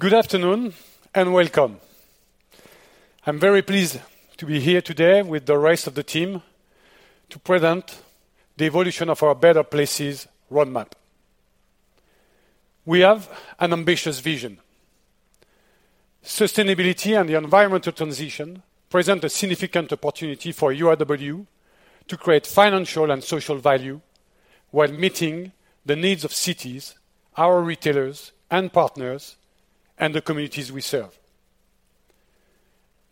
Good afternoon, and welcome. I'm very pleased to be here today with the rest of the team to present the evolution of our Better Places roadmap. We have an ambitious vision. Sustainability and the environmental transition present a significant opportunity for URW to create financial and social value while meeting the needs of cities, our retailers and partners, and the communities we serve.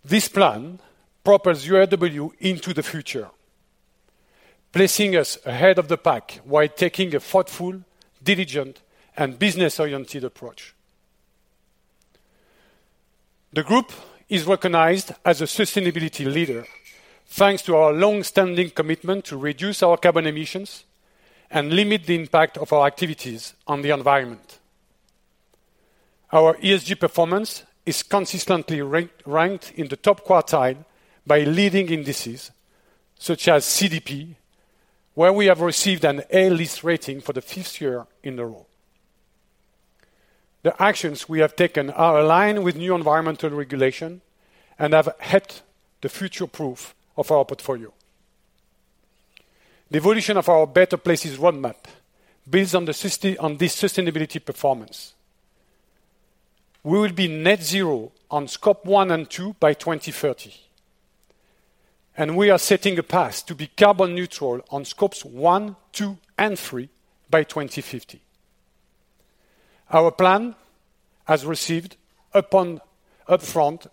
This plan propels URW into the future, placing us ahead of the pack while taking a thoughtful, diligent, and business-oriented approach. The group is recognized as a sustainability leader, thanks to our long-standing commitment to reduce our carbon emissions and limit the impact of our activities on the environment. Our ESG performance is consistently ranked in the top quartile by leading indices such as CDP, where we have received an A-list rating for the fifth year in a row. The actions we have taken are aligned with new environmental regulation and have helped the future-proof of our portfolio. The evolution of our Better Places roadmap builds on the sustainability performance. We will be net zero on Scope 1 and 2 by 2030, and we are setting a path to be carbon neutral on Scopes 1, 2, and 3 by 2050. Our plan has received upfront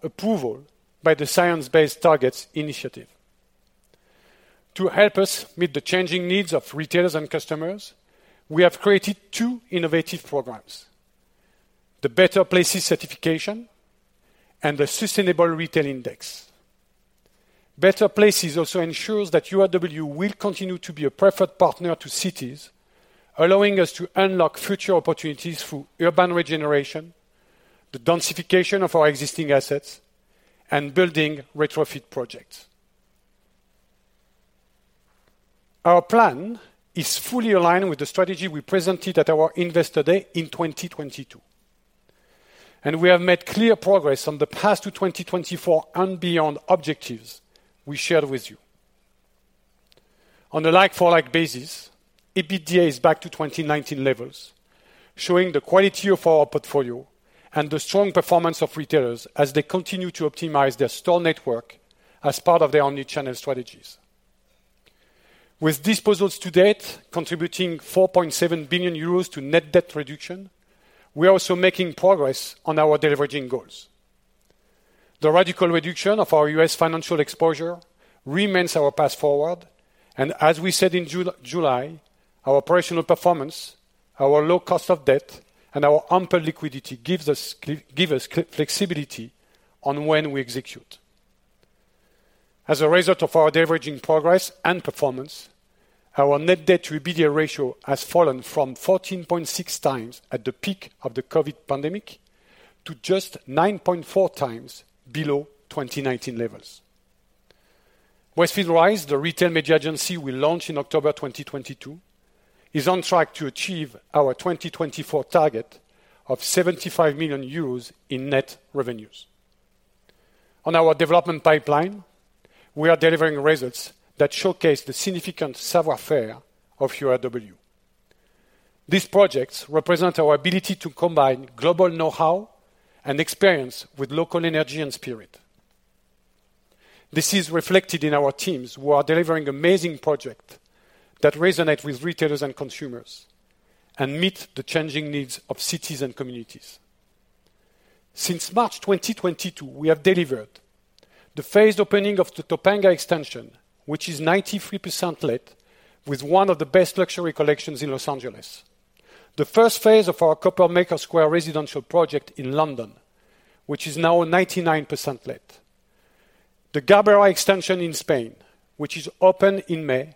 approval by the Science Based Targets initiative. To help us meet the changing needs of retailers and customers, we have created two innovative Better Places certification and the Sustainable Retail Index. Better Places also ensures that URW will continue to be a preferred partner to cities, allowing us to unlock future opportunities through urban regeneration, the densification of our existing assets, and building retrofit projects. Our plan is fully aligned with the strategy we presented at our Investor Day in 2022, and we have made clear progress on the path to 2024 and beyond objectives we shared with you. On a like-for-like basis, EBITDA is back to 2019 levels, showing the quality of our portfolio and the strong performance of retailers as they continue to optimize their store network as part of their omni-channel strategies. With disposals to date contributing 4.7 billion euros to net debt reduction, we are also making progress on our deleveraging goals. The radical reduction of our U.S. financial exposure remains our path forward, and as we said in July, our operational performance, our low cost of debt, and our ample liquidity give us flexibility on when we execute. As a result of our deleveraging progress and performance, our net debt to EBITDA ratio has fallen from 14.6 times at the peak of the COVID pandemic to just 9.4 times below 2019 levels. Westfield Rise, the retail media agency we launched in October 2022, is on track to achieve our 2024 target of 75 million euros in net revenues. On our development pipeline, we are delivering results that showcase the significant savoir-faire of URW. These projects represent our ability to combine global know-how and experience with local energy and spirit. This is reflected in our teams, who are delivering amazing projects that resonate with retailers and consumers and meet the changing needs of cities and communities. Since March 2022, we have delivered the phased opening of the Topanga extension, which is 93% let, with one of the best luxury collections in Los Angeles. The first phase of our Coppermaker Square residential project in London, which is now 99% let. The Garbera extension in Spain, which is open in May,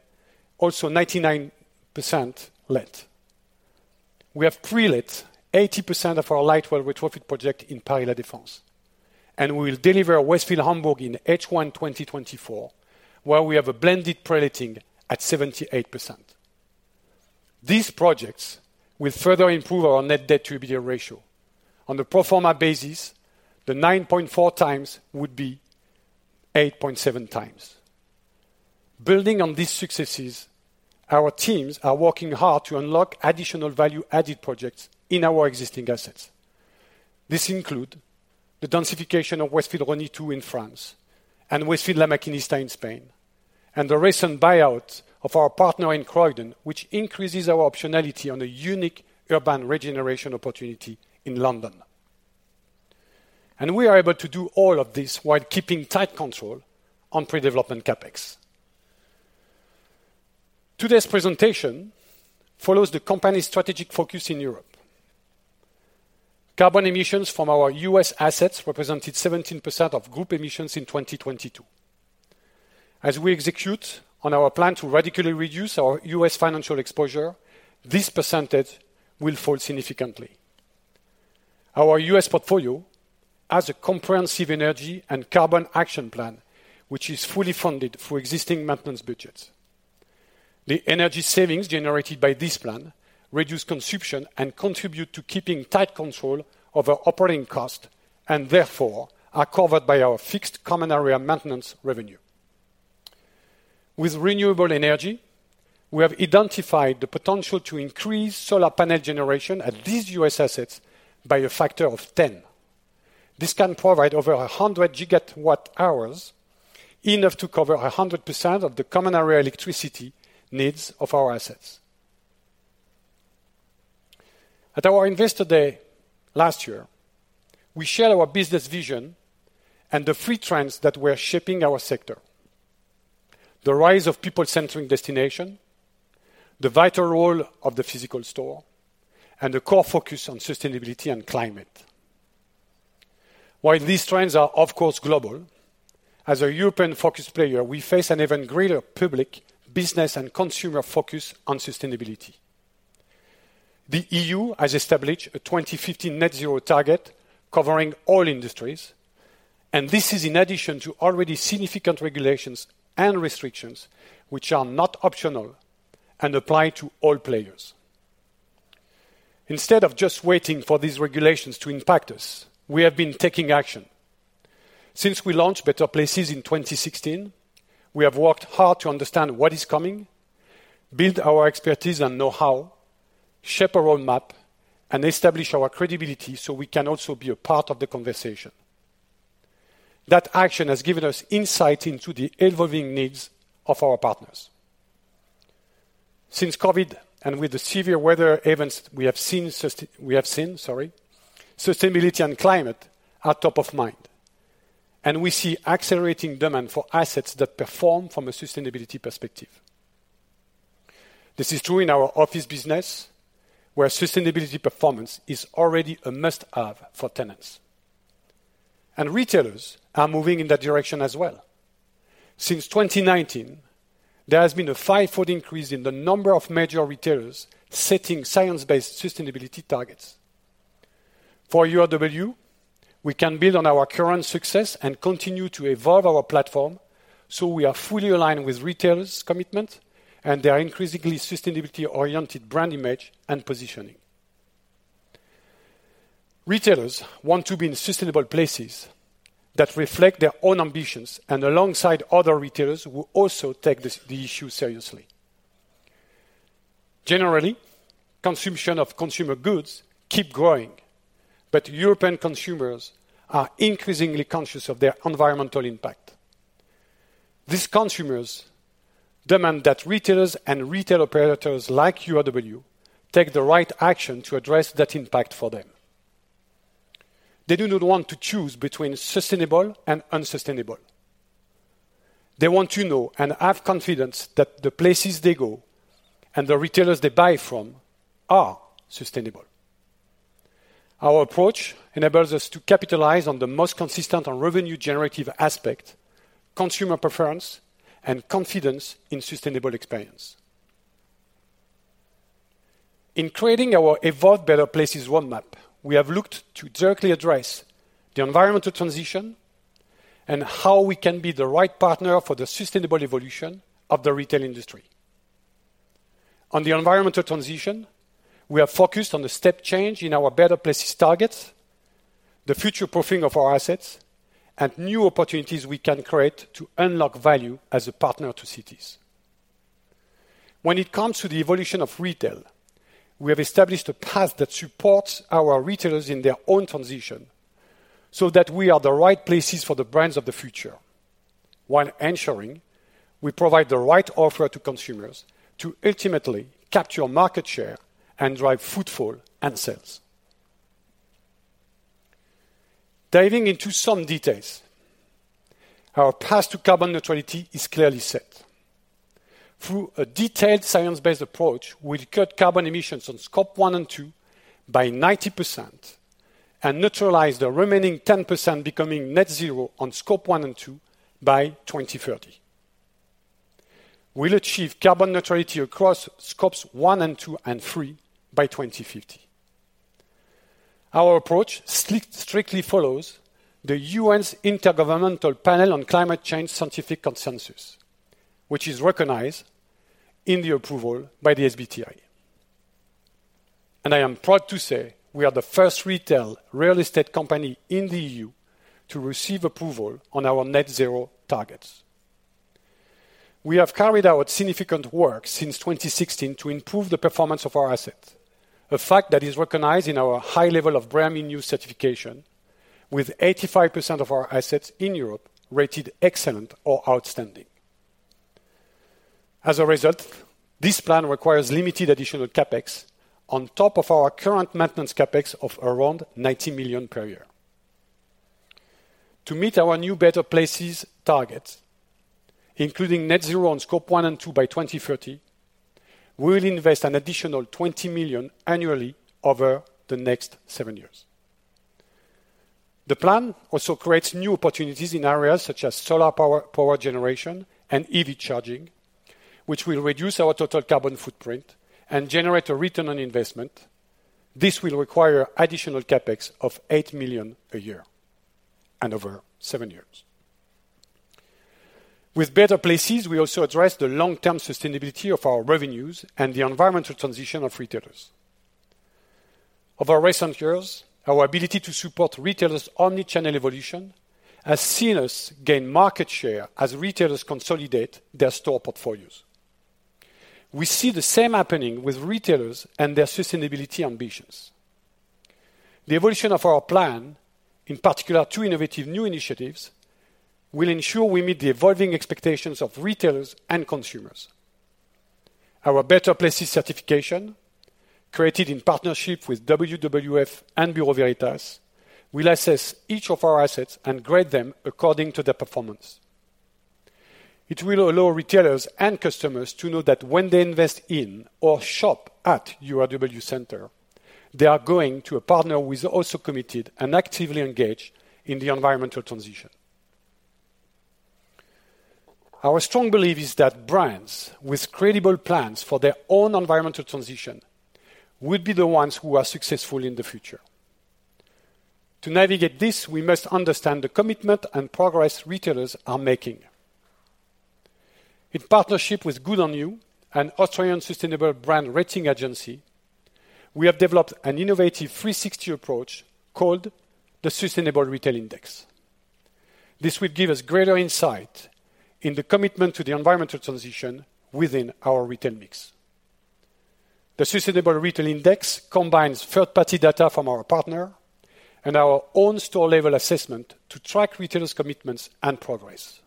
also 99% let. We have pre-let 80% of our Lightwell retrofit project in Paris La Défense, and we will deliver Westfield Hamburg in H1 2024, where we have a blended pre-letting at 78%. These projects will further improve our net debt to EBITDA ratio. On the pro forma basis, the 9.4 times would be 8.7 times. Building on these successes, our teams are working hard to unlock additional value-added projects in our existing assets. This includes the densification of Westfield Rosny 2 in France and Westfield La Maquinista in Spain, and the recent buyout of our partner in Croydon, which increases our optionality on a unique urban regeneration opportunity in London. We are able to do all of this while keeping tight control on pre-development CapEx. Today's presentation follows the company's strategic focus in Europe. Carbon emissions from our U.S. assets represented 17% of group emissions in 2022. As we execute on our plan to radically reduce our U.S. financial exposure, this percentage will fall significantly. Our U.S. portfolio has a comprehensive energy and carbon action plan, which is fully funded for existing maintenance budgets. The energy savings generated by this plan reduce consumption and contribute to keeping tight control over operating costs, and therefore, are covered by our fixed common area maintenance revenue. With renewable energy, we have identified the potential to increase solar panel generation at these U.S. assets by a factor of 10. This can provide over 100 GWh, enough to cover 100% of the common area electricity needs of our assets. At our Investor Day last year, we shared our business vision and the three trends that were shaping our sector: the rise of people-centering destination, the vital role of the physical store, and the core focus on sustainability and climate. While these trends are, of course, global, as a European-focused player, we face an even greater public, business, and consumer focus on sustainability. The EU has established a 2050 net zero target covering all industries, and this is in addition to already significant regulations and restrictions, which are not optional and apply to all players. Instead of just waiting for these regulations to impact us, we have been taking action. Since we launched Better Places in 2016, we have worked hard to understand what is coming, build our expertise and know-how, shape a roadmap, and establish our credibility so we can also be a part of the conversation. That action has given us insight into the evolving needs of our partners. Since COVID, and with the severe weather events, we have seen—we have seen, sorry, sustainability and climate are top of mind, and we see accelerating demand for assets that perform from a sustainability perspective. This is true in our office business, where sustainability performance is already a must-have for tenants. Retailers are moving in that direction as well. Since 2019, there has been a five-fold increase in the number of major retailers setting science-based sustainability targets. For URW, we can build on our current success and continue to evolve our platform, so we are fully aligned with retailers' commitment and their increasingly sustainability-oriented brand image and positioning. Retailers want to be in sustainable places that reflect their own ambitions, and alongside other retailers who also take this, the issue seriously. Generally, consumption of consumer goods keep growing, but European consumers are increasingly conscious of their environmental impact. These consumers demand that retailers and retail operators like URW take the right action to address that impact for them. They do not want to choose between sustainable and unsustainable. They want to know and have confidence that the places they go and the retailers they buy from are sustainable. Our approach enables us to capitalize on the most consistent and revenue-generative aspect, consumer preference and confidence in sustainable experience. In creating our Evolve Better Places roadmap, we have looked to directly address the environmental transition and how we can be the right partner for the sustainable evolution of the retail industry. On the environmental transition, we are focused on the step change in our Better Places targets, the future proofing of our assets, and new opportunities we can create to unlock value as a partner to cities. When it comes to the evolution of retail, we have established a path that supports our retailers in their own transition, so that we are the right places for the brands of the future, while ensuring we provide the right offer to consumers to ultimately capture market share and drive footfall and sales. Diving into some details, our path to carbon neutrality is clearly set. Through a detailed science-based approach, we'll cut carbon emissions on Scope 1 and 2 by 90% and neutralize the remaining 10%, becoming net zero on Scope 1 and 2 by 2030. We'll achieve carbon neutrality across Scopes 1 and 2 and 3 by 2050. Our approach strictly follows the UN's Intergovernmental Panel on Climate Change scientific consensus, which is recognized in the approval by the SBTi. And I am proud to say we are the first retail real estate company in the EU to receive approval on our net zero targets. We have carried out significant work since 2016 to improve the performance of our assets, a fact that is recognized in our high level of BREEAM In-Use certification, with 85% of our assets in Europe rated excellent or outstanding. As a result, this plan requires limited additional CapEx on top of our current maintenance CapEx of around 90 million per year. To meet our new Better Places targets, including net zero on Scope 1 and 2 by 2030, we will invest an additional 20 million annually over the next 7 years. The plan also creates new opportunities in areas such as solar power, power generation, and EV charging, which will reduce our total carbon footprint and generate a return on investment. This will require additional CapEx of 8 million a year... and over 7 years. With Better Places, we also address the long-term sustainability of our revenues and the environmental transition of retailers. Over recent years, our ability to support retailers' omni-channel evolution has seen us gain market share as retailers consolidate their store portfolios. We see the same happening with retailers and their sustainability ambitions. The evolution of our plan, in particular, two innovative new initiatives, will ensure we meet the evolving expectations of retailers and Better Places certification, created in partnership with WWF and Bureau Veritas, will assess each of our assets and grade them according to their performance. It will allow retailers and customers to know that when they invest in or shop at URW center, they are going to a partner who is also committed and actively engaged in the environmental transition. Our strong belief is that brands with credible plans for their own environmental transition will be the ones who are successful in the future. To navigate this, we must understand the commitment and progress retailers are making. In partnership with Good On You, an Australian sustainable brand rating agency, we have developed an innovative 360 approach called the Sustainable Retail Index. This will give us greater insight in the commitment to the environmental transition within our retail mix. The Sustainable Retail Index combines third-party data from our partner and our own store-level assessment to track retailers' commitments and progress.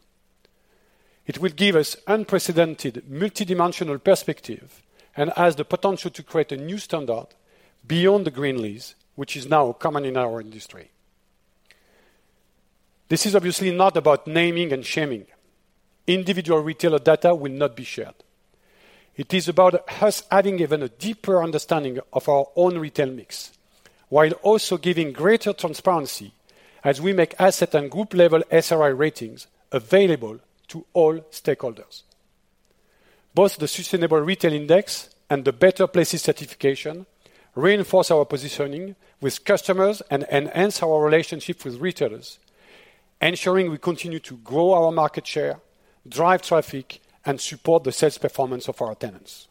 It will give us unprecedented multidimensional perspective and has the potential to create a new standard beyond the green lease, which is now common in our industry. This is obviously not about naming and shaming. Individual retailer data will not be shared. It is about us having even a deeper understanding of our own retail mix, while also giving greater transparency as we make asset and group-level SRI ratings available to all stakeholders. Both the Sustainable Retail Index Better Places certification reinforce our positioning with customers and enhance our relationship with retailers, ensuring we continue to grow our market share, drive traffic, and support the sales performance of our tenants.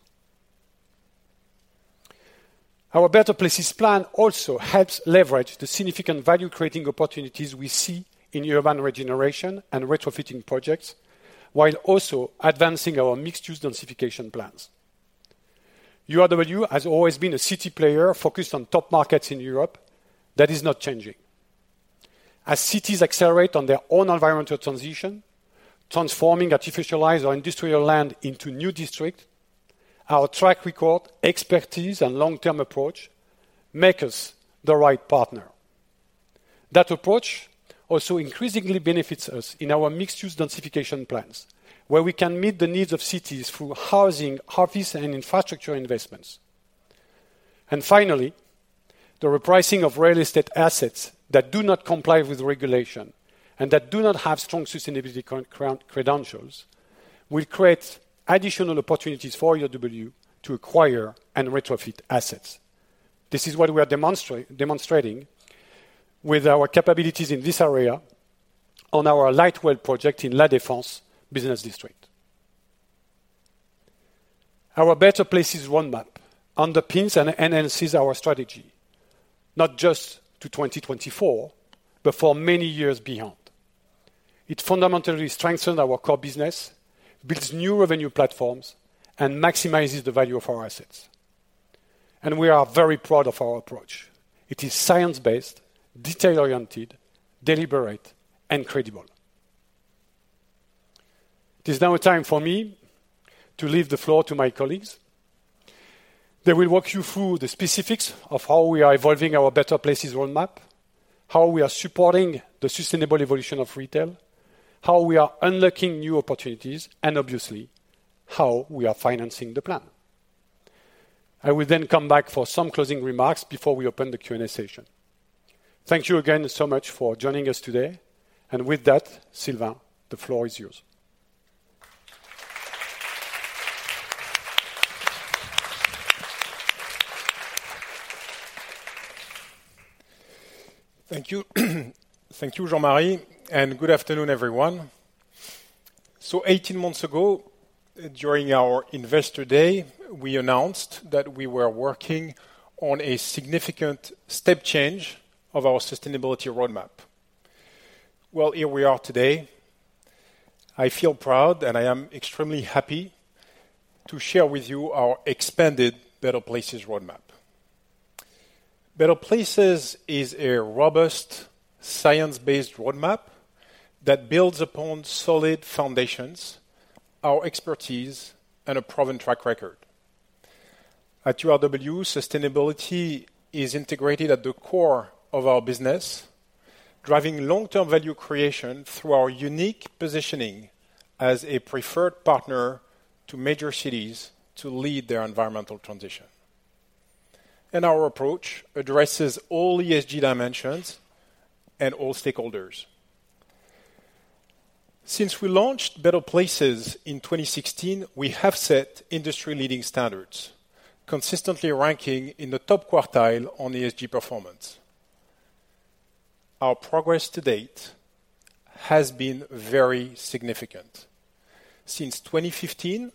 Our Better Places plan also helps leverage the significant value-creating opportunities we see in urban regeneration and retrofitting projects, while also advancing our mixed-use densification plans. URW has always been a city player focused on top markets in Europe. That is not changing. As cities accelerate on their own environmental transition, transforming artificialized or industrial land into new district, our track record, expertise, and long-term approach make us the right partner. That approach also increasingly benefits us in our mixed-use densification plans, where we can meet the needs of cities through housing, office, and infrastructure investments. And finally, the repricing of real estate assets that do not comply with regulation and that do not have strong sustainability credentials, will create additional opportunities for URW to acquire and retrofit assets. This is what we are demonstrating with our capabilities in this area on our Lightwell project in La Défense business district. Our Better Places roadmap underpins and enhances our strategy, not just to 2024, but for many years beyond. It fundamentally strengthens our core business, builds new revenue platforms, and maximizes the value of our assets. We are very proud of our approach. It is science-based, detail-oriented, deliberate, and credible. It is now time for me to leave the floor to my colleagues. They will walk you through the specifics of how we are evolving our Better Places roadmap, how we are supporting the sustainable evolution of retail, how we are unlocking new opportunities, and obviously, how we are financing the plan. I will then come back for some closing remarks before we open the Q&A session. Thank you again so much for joining us today. With that, Sylvain, the floor is yours. Thank you. Thank you, Jean-Marie, and good afternoon, everyone. So 18 months ago, during our Investor Day, we announced that we were working on a significant step change of our sustainability roadmap. Well, here we are today. I feel proud, and I am extremely happy to share with you our expanded Better Places roadmap. Better Places is a robust, science-based roadmap that builds upon solid foundations, our expertise, and a proven track record. At URW, sustainability is integrated at the core of our business, driving long-term value creation through our unique positioning as a preferred partner to major cities to lead their environmental transition. Our approach addresses all ESG dimensions and all stakeholders. Since we launched Better Places in 2016, we have set industry-leading standards, consistently ranking in the top quartile on ESG performance. Our progress to date has been very significant. Since 2015,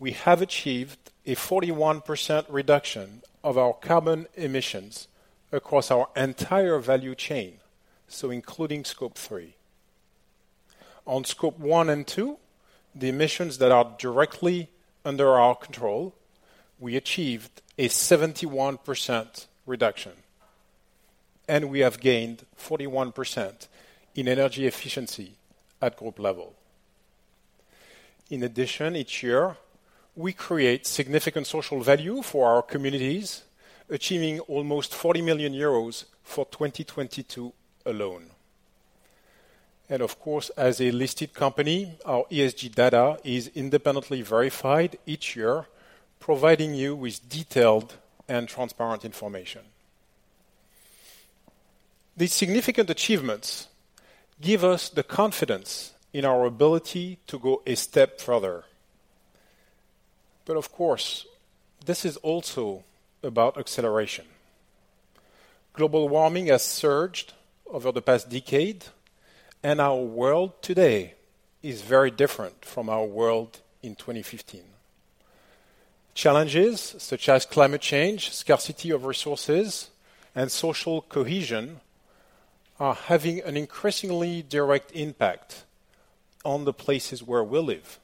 we have achieved a 41% reduction of our carbon emissions across our entire value chain, so including Scope 3. On Scope 1 and 2, the emissions that are directly under our control, we achieved a 71% reduction, and we have gained 41% in energy efficiency at group level. In addition, each year, we create significant social value for our communities, achieving almost 40 million euros for 2022 alone. Of course, as a listed company, our ESG data is independently verified each year, providing you with detailed and transparent information. These significant achievements give us the confidence in our ability to go a step further. Of course, this is also about acceleration. Global warming has surged over the past decade, and our world today is very different from our world in 2015. Challenges such as climate change, scarcity of resources, and social cohesion are having an increasingly direct impact on the places where we live.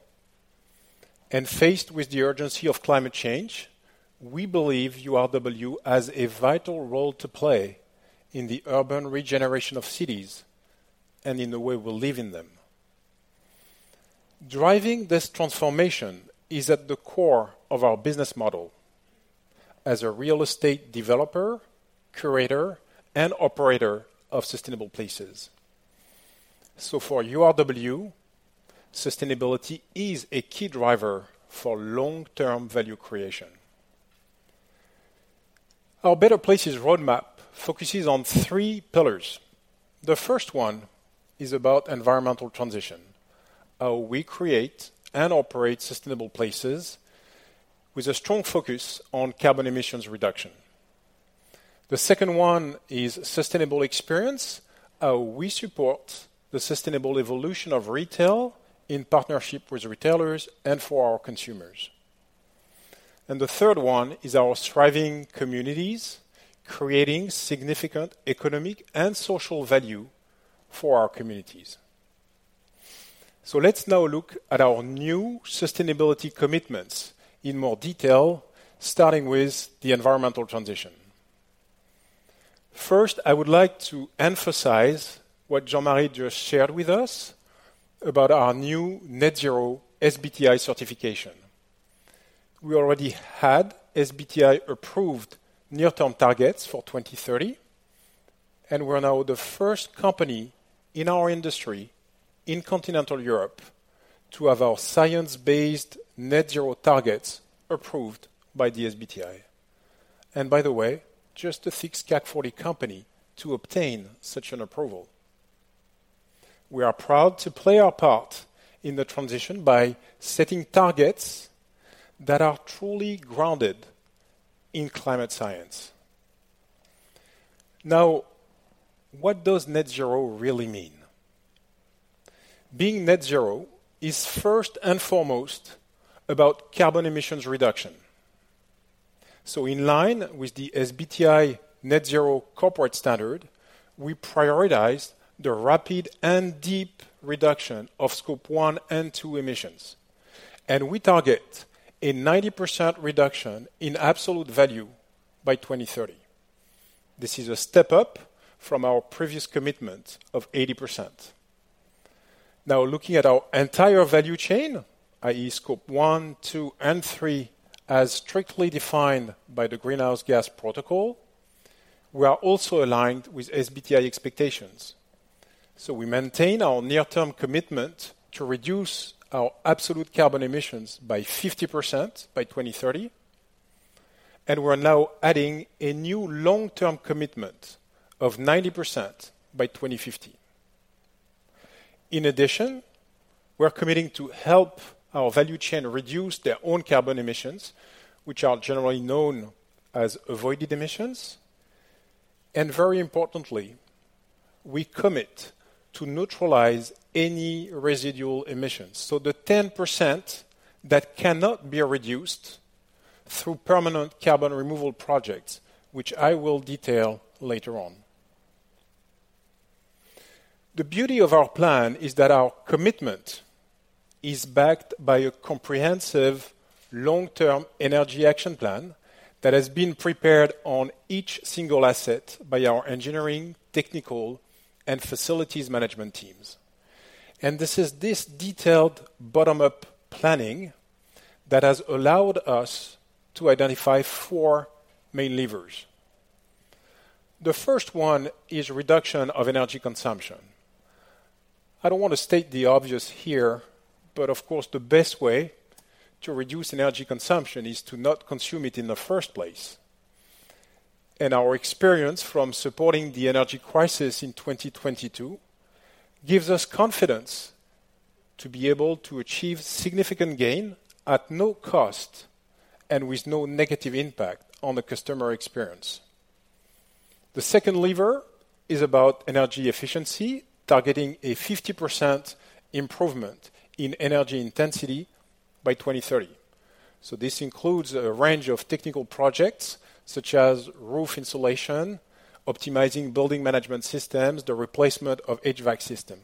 Faced with the urgency of climate change, we believe URW has a vital role to play in the urban regeneration of cities and in the way we live in them. Driving this transformation is at the core of our business model as a real estate developer, curator, and operator of sustainable places. For URW, sustainability is a key driver for long-term value creation. Our Better Places roadmap focuses on three pillars. The first one is about environmental transition, how we create and operate sustainable places with a strong focus on carbon emissions reduction. The second one is sustainable experience, how we support the sustainable evolution of retail in partnership with retailers and for our consumers. The third one is our thriving communities, creating significant economic and social value for our communities. Let's now look at our new sustainability commitments in more detail, starting with the environmental transition. First, I would like to emphasize what Jean-Marie just shared with us about our new net zero SBTi certification. We already had SBTi-approved near-term targets for 2030, and we're now the first company in our industry, in continental Europe, to have our science-based net zero targets approved by the SBTi, and by the way, just the sixth CAC 40 company to obtain such an approval. We are proud to play our part in the transition by setting targets that are truly grounded in climate science. Now, what does net zero really mean? Being net zero is first and foremost about carbon emissions reduction. So in line with the SBTi Net-Zero Corporate Standard, we prioritize the rapid and deep reduction of scope 1 and 2 emissions, and we target a 90% reduction in absolute value by 2030. This is a step up from our previous commitment of 80%. Now, looking at our entire value chain, i.e., scope 1, 2, and 3, as strictly defined by the Greenhouse Gas Protocol, we are also aligned with SBTi expectations. So we maintain our near-term commitment to reduce our absolute carbon emissions by 50% by 2030, and we're now adding a new long-term commitment of 90% by 2050. In addition, we're committing to help our value chain reduce their own carbon emissions, which are generally known as avoided emissions. Very importantly, we commit to neutralize any residual emissions, so the 10% that cannot be reduced through permanent carbon removal projects, which I will detail later on. The beauty of our plan is that our commitment is backed by a comprehensive, long-term energy action plan that has been prepared on each single asset by our engineering, technical, and facilities management teams. This is this detailed bottom-up planning that has allowed us to identify four main levers. The first one is reduction of energy consumption. I don't want to state the obvious here, but of course, the best way to reduce energy consumption is to not consume it in the first place... and our experience from supporting the energy crisis in 2022, gives us confidence to be able to achieve significant gain at no cost and with no negative impact on the customer experience. The second lever is about energy efficiency, targeting a 50% improvement in energy intensity by 2030. So this includes a range of technical projects such as roof insulation, optimizing building management systems, the replacement of HVAC system.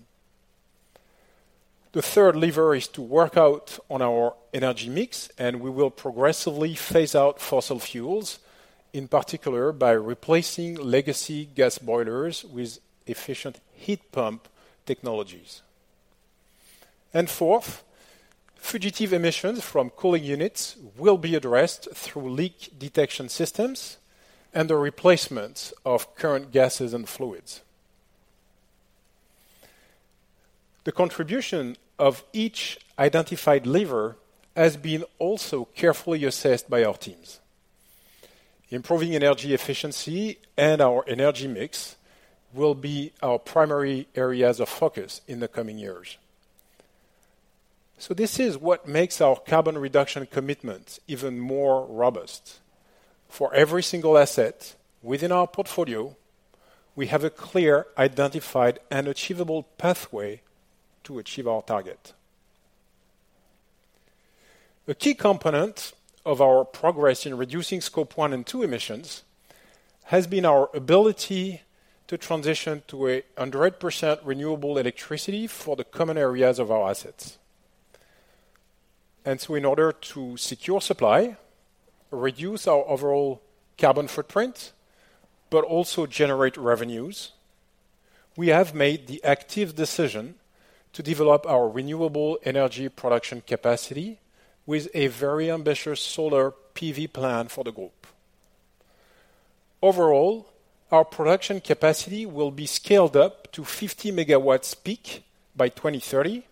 The third lever is to work out on our energy mix, and we will progressively phase out fossil fuels, in particular, by replacing legacy gas boilers with efficient heat pump technologies. And fourth, fugitive emissions from cooling units will be addressed through leak detection systems and the replacement of current gases and fluids. The contribution of each identified lever has been also carefully assessed by our teams. Improving energy efficiency and our energy mix will be our primary areas of focus in the coming years. So this is what makes our carbon reduction commitment even more robust. For every single asset within our portfolio, we have a clear, identified, and achievable pathway to achieve our target. A key component of our progress in reducing Scope 1 and 2 emissions has been our ability to transition to 100% renewable electricity for the common areas of our assets. So in order to secure supply, reduce our overall carbon footprint, but also generate revenues, we have made the active decision to develop our renewable energy production capacity with a very ambitious solar PV plan for the group. Overall, our production capacity will be scaled up to 50 MW peak by 2030,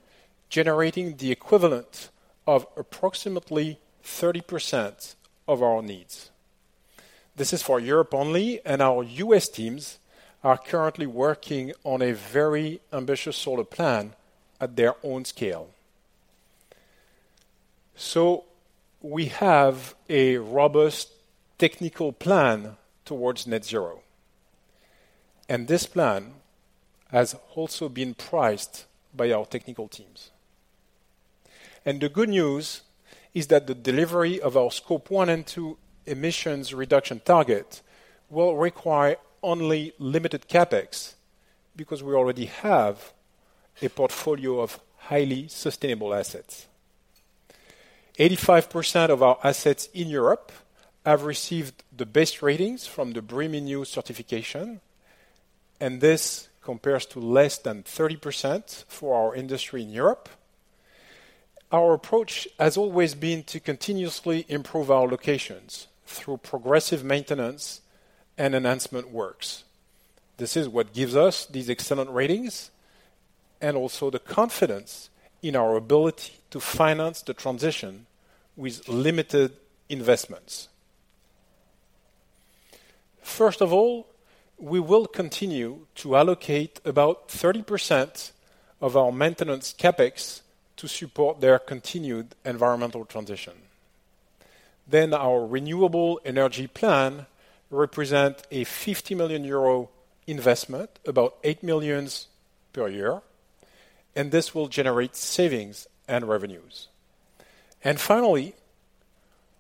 generating the equivalent of approximately 30% of our needs. This is for Europe only, and our U.S. teams are currently working on a very ambitious solar plan at their own scale. We have a robust technical plan towards net zero, and this plan has also been priced by our technical teams. The good news is that the delivery of our Scope 1 and 2 emissions reduction target will require only limited CapEx, because we already have a portfolio of highly sustainable assets. 85% of our assets in Europe have received the best ratings from the BREEAM In-Use certification, and this compares to less than 30% for our industry in Europe. Our approach has always been to continuously improve our locations through progressive maintenance and enhancement works. This is what gives us these excellent ratings and also the confidence in our ability to finance the transition with limited investments. First of all, we will continue to allocate about 30% of our maintenance CapEx to support their continued environmental transition. Our renewable energy plan represents a 50 million euro investment, about 8 million per year, and this will generate savings and revenues. Finally,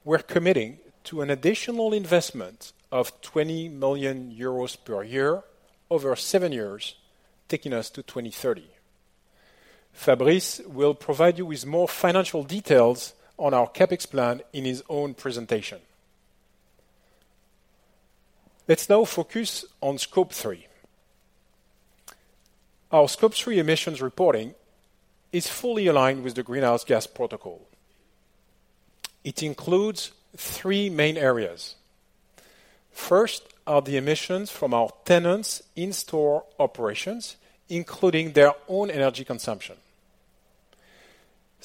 we're committing to an additional investment of 20 million euros per year over 7 years, taking us to 2030. Fabrice will provide you with more financial details on our CapEx plan in his own presentation. Let's now focus on Scope 3. Our Scope 3 emissions reporting is fully aligned with the Greenhouse Gas Protocol. It includes three main areas. First are the emissions from our tenants' in-store operations, including their own energy consumption.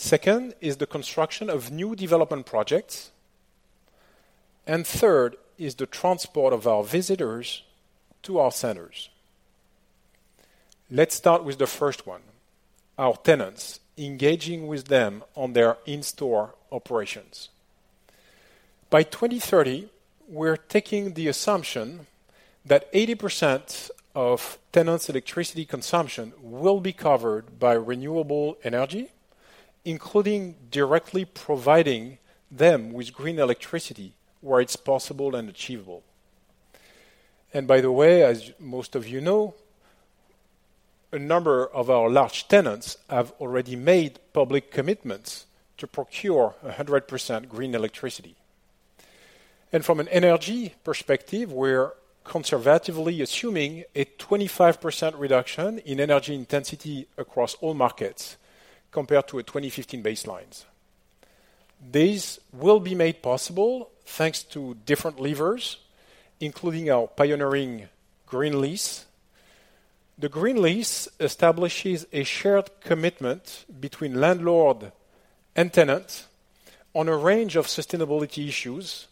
Second is the construction of new development projects, and third is the transport of our visitors to our centers. Let's start with the first one, our tenants, engaging with them on their in-store operations. By 2030, we're taking the assumption that 80% of tenants' electricity consumption will be covered by renewable energy, including directly providing them with green electricity where it's possible and achievable. And by the way, as most of you know, a number of our large tenants have already made public commitments to procure 100% green electricity. And from an energy perspective, we're conservatively assuming a 25% reduction in energy intensity across all markets compared to a 2015 baseline. These will be made possible, thanks to different levers, including our pioneering Green lease. The Green lease establishes a shared commitment between landlord and tenant on a range of sustainability issues,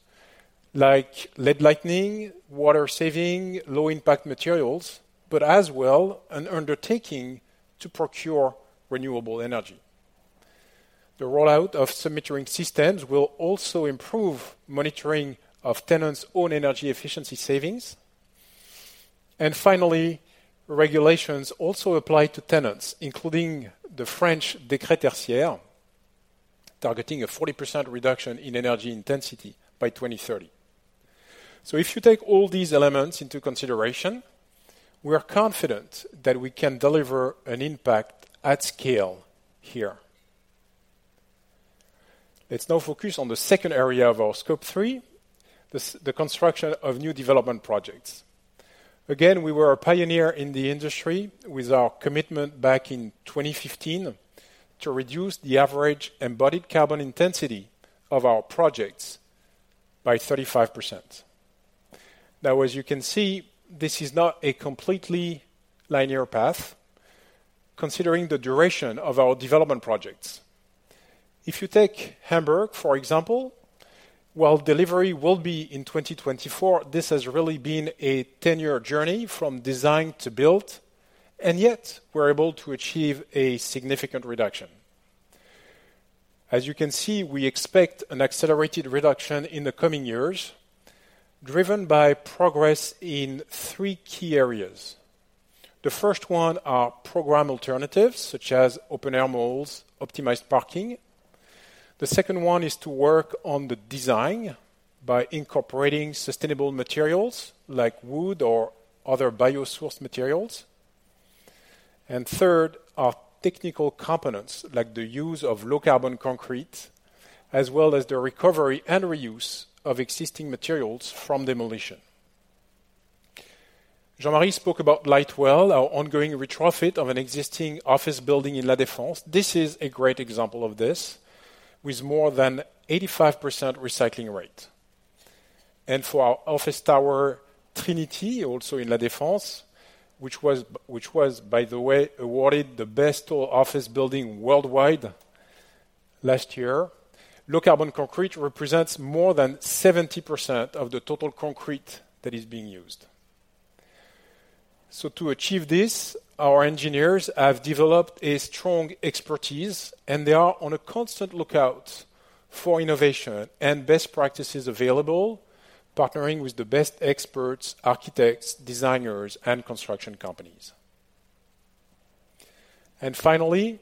like LED lighting, water saving, low impact materials, but as well, an undertaking to procure renewable energy. The rollout of sub-metering systems will also improve monitoring of tenants' own energy efficiency savings. And finally, regulations also apply to tenants, including the French Décret Tertiaire, targeting a 40% reduction in energy intensity by 2030. So if you take all these elements into consideration, we are confident that we can deliver an impact at scale here. Let's now focus on the second area of our Scope 3, the construction of new development projects. Again, we were a pioneer in the industry with our commitment back in 2015 to reduce the average embodied carbon intensity of our projects by 35%. Now, as you can see, this is not a completely linear path, considering the duration of our development projects. If you take Hamburg, for example, while delivery will be in 2024, this has really been a 10-year journey from design to build, and yet we're able to achieve a significant reduction. As you can see, we expect an accelerated reduction in the coming years, driven by progress in three key areas. The first one are program alternatives, such as open-air malls, optimized parking. The second one is to work on the design by incorporating sustainable materials, like wood or other bio-sourced materials. And third, are technical components, like the use of low-carbon concrete, as well as the recovery and reuse of existing materials from demolition. Jean-Marie spoke about Lightwell, our ongoing retrofit of an existing office building in La Défense. This is a great example of this, with more than 85% recycling rate. And for our office tower, Trinity, also in La Défense, which was, by the way, awarded the best tall office building worldwide last year. Low-carbon concrete represents more than 70% of the total concrete that is being used. So to achieve this, our engineers have developed a strong expertise, and they are on a constant lookout for innovation and best practices available, partnering with the best experts, architects, designers, and construction companies. Finally,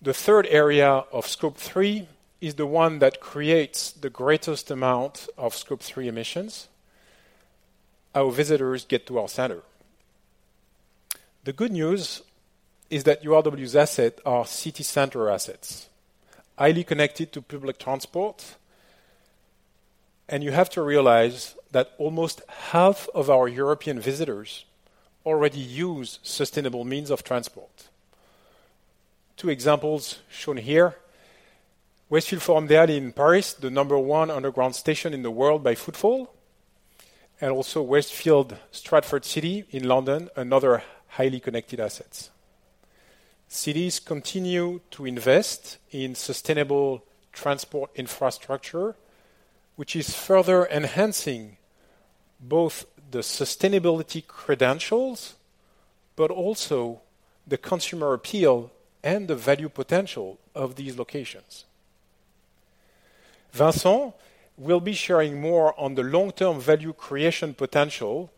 the third area of Scope three is the one that creates the greatest amount of Scope three emissions. Our visitors get to our center. The good news is that URW's assets are city center assets, highly connected to public transport, and you have to realize that almost half of our European visitors already use sustainable means of transport. Two examples shown here. Westfield Forum des Halles in Paris, the number one underground station in the world by footfall, and also Westfield Stratford City in London, another highly connected assets. Cities continue to invest in sustainable transport infrastructure, which is further enhancing both the sustainability credentials, but also the consumer appeal and the value potential of these locations. Vincent will be sharing more on the long-term value creation potential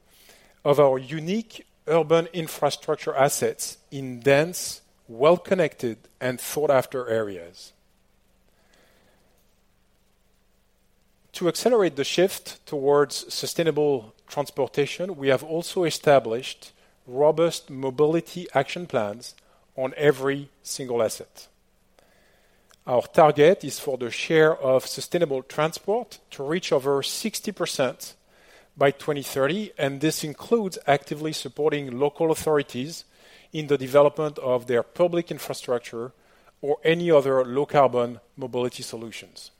of our unique urban infrastructure assets in dense, well-connected, and sought-after areas. To accelerate the shift towards sustainable transportation, we have also established robust mobility action plans on every single asset. Our target is for the share of sustainable transport to reach over 60% by 2030, and this includes actively supporting local authorities in the development of their public infrastructure or any other low-carbon mobility solutions.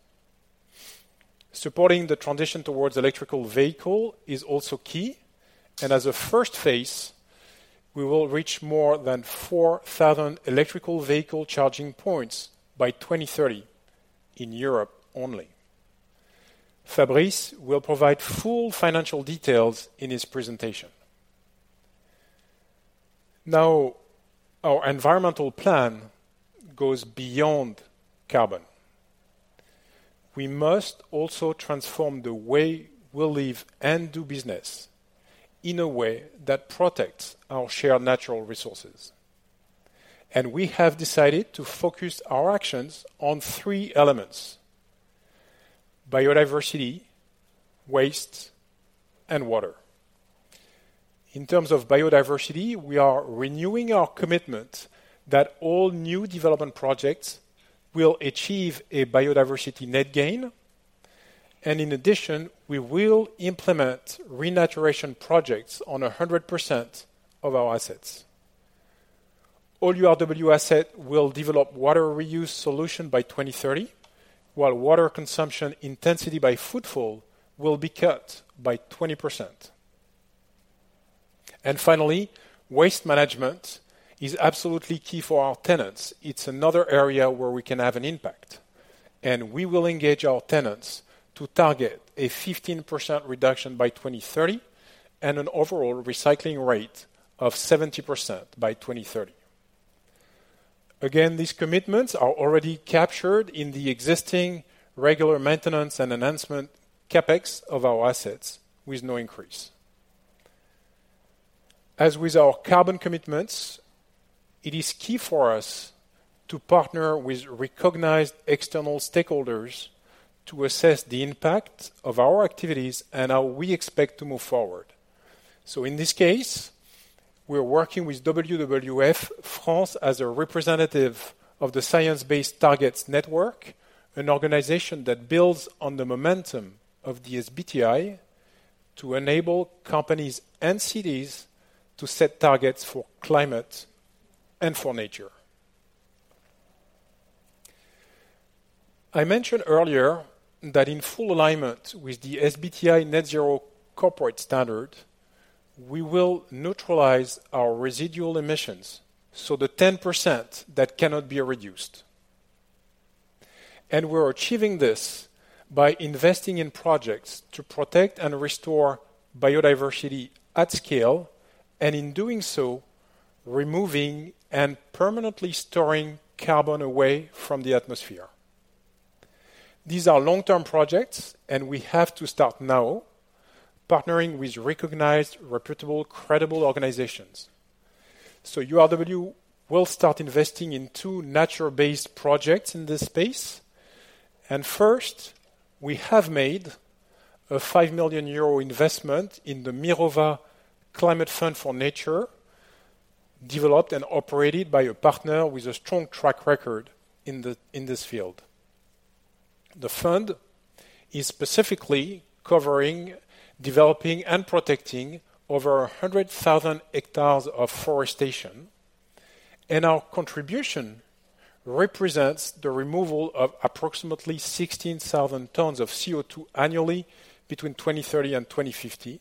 Supporting the transition towards electric vehicle is also key, and as a first phase, we will reach more than 4,000 electric vehicle charging points by 2030 in Europe only. Fabrice will provide full financial details in his presentation. Now, our environmental plan goes beyond carbon. We must also transform the way we live and do business in a way that protects our shared natural resources. And we have decided to focus our actions on three elements: biodiversity, waste, and water. In terms of biodiversity, we are renewing our commitment that all new development projects will achieve a biodiversity net gain, and in addition, we will implement renaturation projects on 100% of our assets. All URW asset will develop water reuse solution by 2030, while water consumption intensity by footfall will be cut by 20%. And finally, waste management is absolutely key for our tenants. It's another area where we can have an impact, and we will engage our tenants to target a 15% reduction by 2030, and an overall recycling rate of 70% by 2030. Again, these commitments are already captured in the existing regular maintenance and enhancement CapEx of our assets, with no increase. As with our carbon commitments, it is key for us to partner with recognized external stakeholders to assess the impact of our activities and how we expect to move forward. So in this case, we're working with WWF France as a representative of the Science-Based Targets Network, an organization that builds on the momentum of the SBTi to enable companies and cities to set targets for climate and for nature. I mentioned earlier that in full alignment with the SBTi Net-Zero corporate standard, we will neutralize our residual emissions, so the 10% that cannot be reduced. And we're achieving this by investing in projects to protect and restore biodiversity at scale, and in doing so, removing and permanently storing carbon away from the atmosphere. These are long-term projects, and we have to start now, partnering with recognized, reputable, credible organizations. URW will start investing in two nature-based projects in this space. First, we have made a 5 million euro investment in the Mirova Climate Fund for Nature, developed and operated by a partner with a strong track record in this field. The fund is specifically covering, developing, and protecting over 100,000 hectares of forestation, and our contribution represents the removal of approximately 16,000 tons of CO2 annually between 2030 and 2050,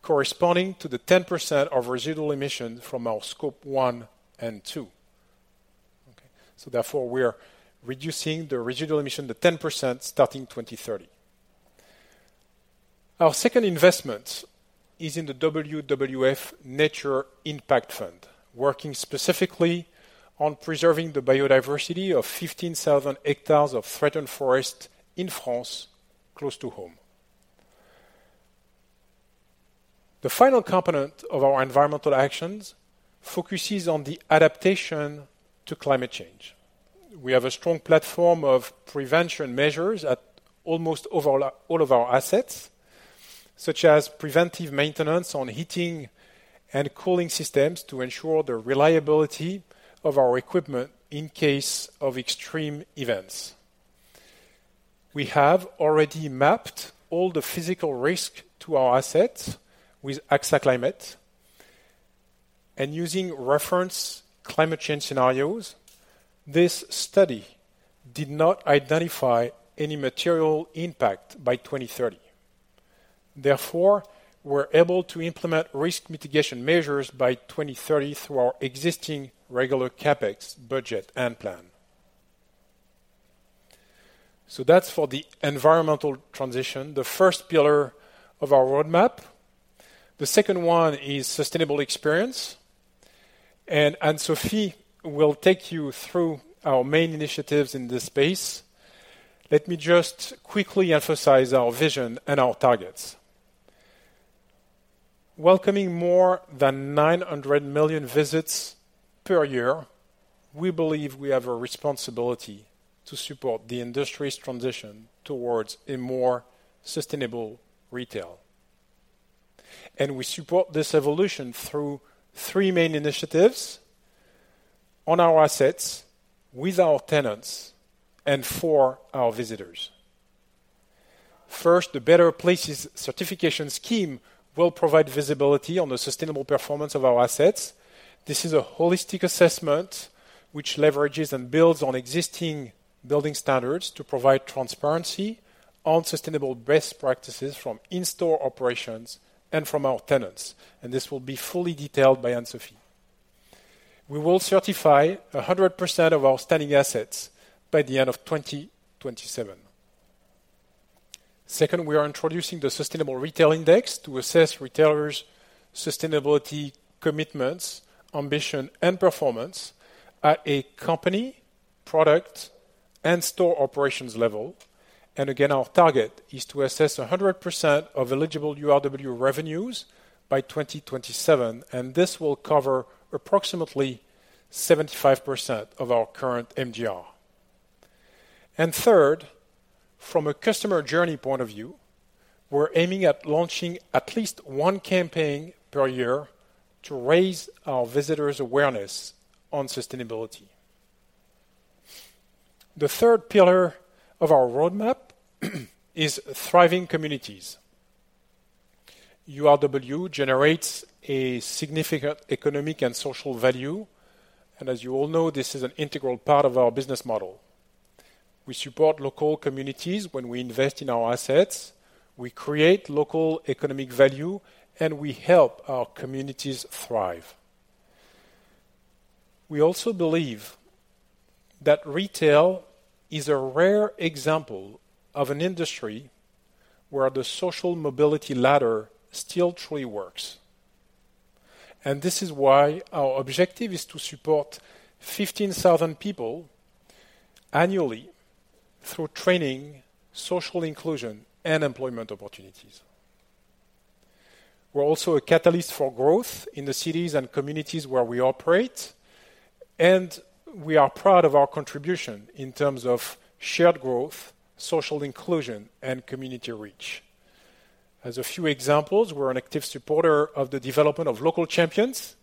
corresponding to the 10% of residual emissions from our scope 1 and 2. Okay, therefore, we are reducing the residual emission to 10% starting 2030. Our second investment is in the WWF Nature Impact Fund, working specifically on preserving the biodiversity of 15,000 hectares of threatened forest in France, close to home. The final component of our environmental actions focuses on the adaptation to climate change. We have a strong platform of prevention measures at almost over all of our assets, such as preventive maintenance on heating and cooling systems to ensure the reliability of our equipment in case of extreme events. We have already mapped all the physical risk to our assets with AXA Climate, and using reference climate change scenarios, this study did not identify any material impact by 2030. Therefore, we're able to implement risk mitigation measures by 2030 through our existing regular CapEx budget and plan. That's for the environmental transition, the first pillar of our roadmap. The second one is sustainable experience, and Anne-Sophie will take you through our main initiatives in this space. Let me just quickly emphasize our vision and our targets. Welcoming more than 900 million visits per year, we believe we have a responsibility to support the industry's transition towards a more sustainable retail. We support this evolution through three main initiatives on our assets, with our tenants, and for our visitors. Better Places certification scheme will provide visibility on the sustainable performance of our assets. This is a holistic assessment which leverages and builds on existing building standards to provide transparency on sustainable best practices from in-store operations and from our tenants, and this will be fully detailed by Anne-Sophie. We will certify 100% of our standing assets by the end of 2027. Second, we are introducing the Sustainable Retail Index to assess retailers' sustainability commitments, ambition, and performance at a company, product, and store operations level. Our target is to assess 100% of eligible URW revenues by 2027, and this will cover approximately 75% of our current MGR. Third, from a customer journey point of view, we're aiming at launching at least one campaign per year to raise our visitors' awareness on sustainability. The third pillar of our roadmap is thriving communities. URW generates a significant economic and social value, and as you all know, this is an integral part of our business model. We support local communities when we invest in our assets, we create local economic value, and we help our communities thrive. We also believe that retail is a rare example of an industry where the social mobility ladder still truly works. This is why our objective is to support 15,000 people annually through training, social inclusion, and employment opportunities. We're also a catalyst for growth in the cities and communities where we operate, and we are proud of our contribution in terms of shared growth, social inclusion, and community reach. As a few examples, we're an active supporter of the development of local champions,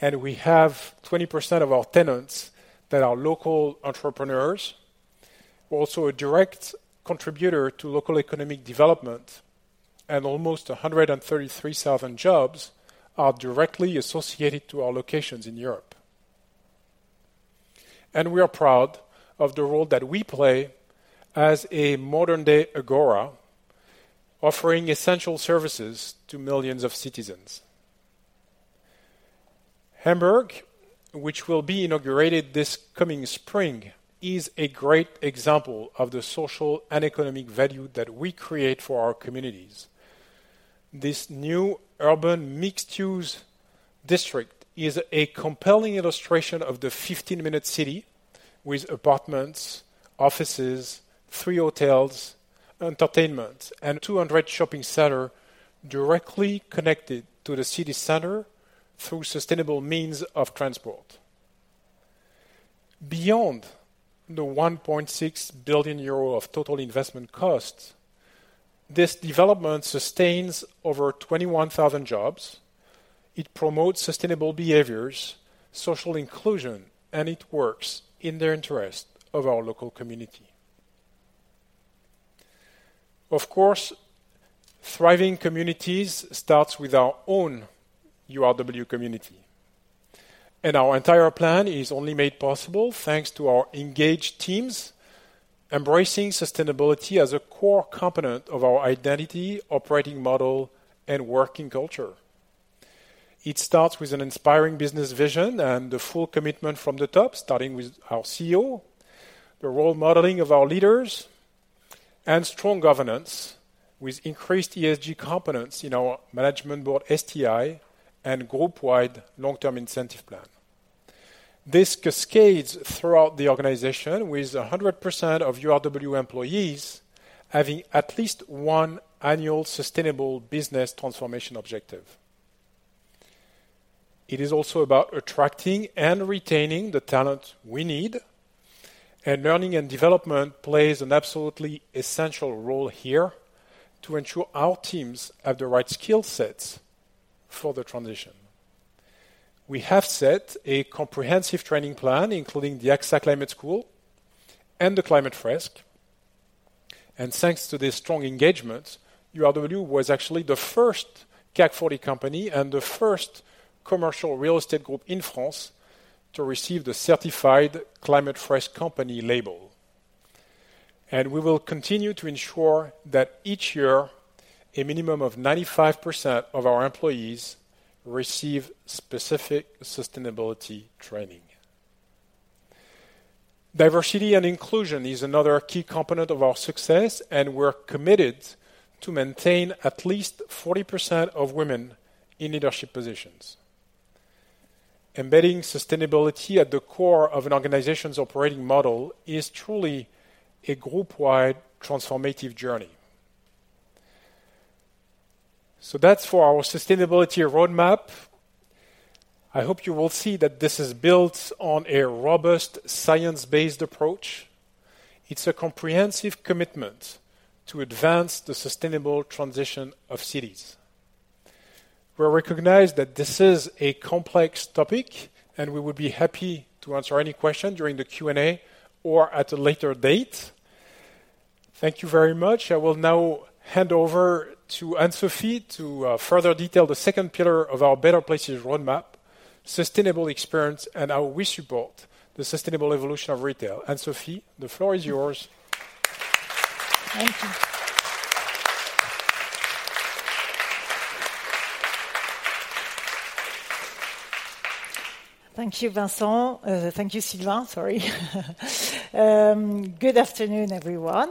and we have 20% of our tenants that are local entrepreneurs. We're also a direct contributor to local economic development, and almost 133,000 jobs are directly associated to our locations in Europe. We are proud of the role that we play as a modern-day agora, offering essential services to millions of citizens. Hamburg, which will be inaugurated this coming spring, is a great example of the social and economic value that we create for our communities. This new urban mixed-use district is a compelling illustration of the fifteen-minute city, with apartments, offices, three hotels, entertainment, and 200 shopping center directly connected to the city center through sustainable means of transport. Beyond the 1.6 billion euro of total investment costs, this development sustains over 21,000 jobs. It promotes sustainable behaviors, social inclusion, and it works in the interest of our local community. Of course, thriving communities starts with our own URW community, and our entire plan is only made possible thanks to our engaged teams, embracing sustainability as a core component of our identity, operating model, and working culture. It starts with an inspiring business vision and the full commitment from the top, starting with our CEO, the role modeling of our leaders, and strong governance, with increased ESG components in our Management Board, STI, and group-wide long-term incentive plan. This cascades throughout the organization, with 100% of URW employees having at least one annual sustainable business transformation objective. It is also about attracting and retaining the talent we need, and learning and development plays an absolutely essential role here to ensure our teams have the right skill sets for the transition. We have set a comprehensive training plan, including the AXA Climate School and the Climate Fresk, and thanks to this strong engagement, URW was actually the first CAC 40 company and the first commercial real estate group in France to receive the certified Climate Fresk company label. And we will continue to ensure that each year, a minimum of 95% of our employees receive specific sustainability training. Diversity and inclusion is another key component of our success, and we're committed to maintain at least 40% of women in leadership positions. Embedding sustainability at the core of an organization's operating model is truly a group-wide transformative journey. So that's for our sustainability roadmap. I hope you will see that this is built on a robust, science-based approach. It's a comprehensive commitment to advance the sustainable transition of cities. We recognize that this is a complex topic, and we would be happy to answer any question during the Q&A or at a later date. Thank you very much. I will now hand over to Anne-Sophie to further detail the second pillar of our Better Places roadmap, sustainable experience, and how we support the sustainable evolution of retail. Anne-Sophie, the floor is yours. Thank you. Thank you, Vincent. Thank you, Sylvain. Good afternoon, everyone.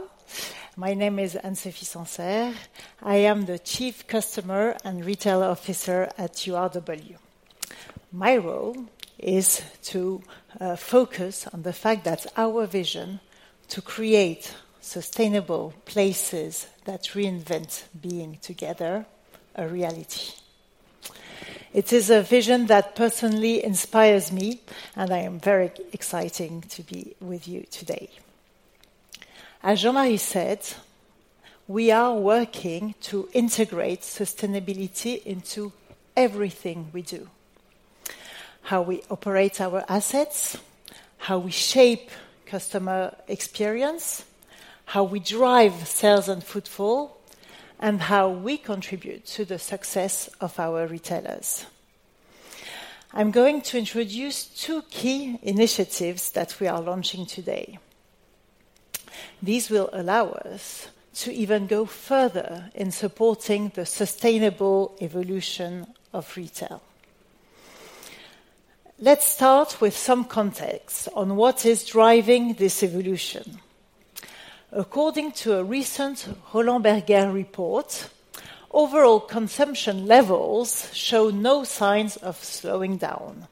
My name is Anne-Sophie Sancerre. I am the Chief Customer and Retail Officer at URW. My role is to focus on the fact that our vision to create sustainable places that reinvent being together a reality. It is a vision that personally inspires me, and I am very exciting to be with you today... As Jean-Marie said, we are working to integrate sustainability into everything we do. How we operate our assets, how we shape customer experience, how we drive sales and footfall, and how we contribute to the success of our retailers. I'm going to introduce two key initiatives that we are launching today. These will allow us to even go further in supporting the sustainable evolution of retail. Let's start with some context on what is driving this evolution. According to a recent Roland Berger report, overall consumption levels show no signs of slowing down.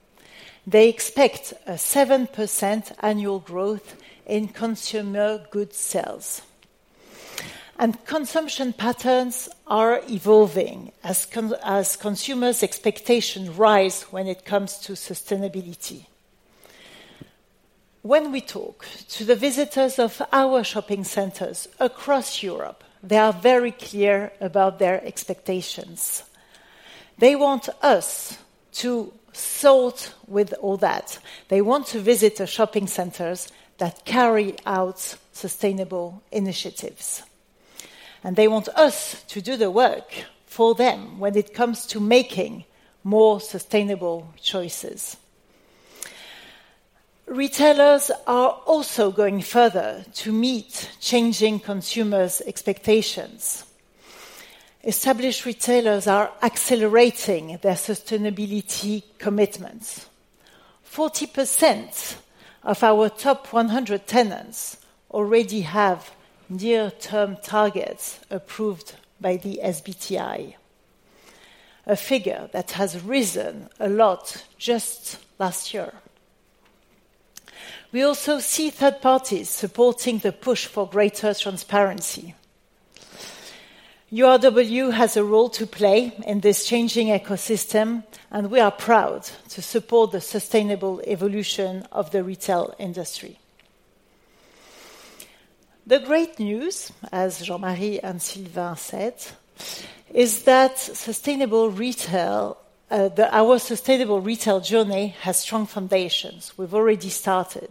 They expect a 7% annual growth in consumer goods sales. And consumption patterns are evolving as consumers' expectations rise when it comes to sustainability. When we talk to the visitors of our shopping centers across Europe, they are very clear about their expectations. They want us to sort with all that. They want to visit the shopping centers that carry out sustainable initiatives, and they want us to do the work for them when it comes to making more sustainable choices. Retailers are also going further to meet changing consumers' expectations. Established retailers are accelerating their sustainability commitments. 40% of our top 100 tenants already have near-term targets approved by the SBTi, a figure that has risen a lot just last year. We also see third parties supporting the push for greater transparency. URW has a role to play in this changing ecosystem, and we are proud to support the sustainable evolution of the retail industry. The great news, as Jean-Marie and Sylvain said, is that sustainable retail, our sustainable retail journey has strong foundations. We've already started.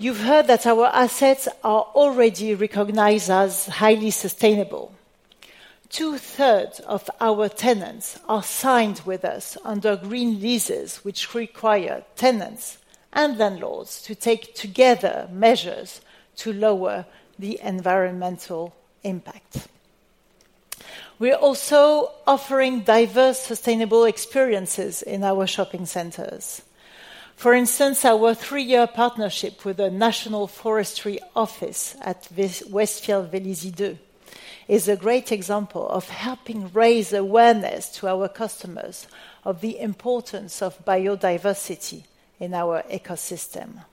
You've heard that our assets are already recognized as highly sustainable. Two-thirds of our tenants are signed with us under green leases, which require tenants and landlords to take together measures to lower the environmental impact. We are also offering diverse, sustainable experiences in our shopping centers. For instance, our three-year partnership with the National Forestry Office at this Westfield Vélizy 2 is a great example of helping raise awareness to our customers of the importance of biodiversity in our ecosystem.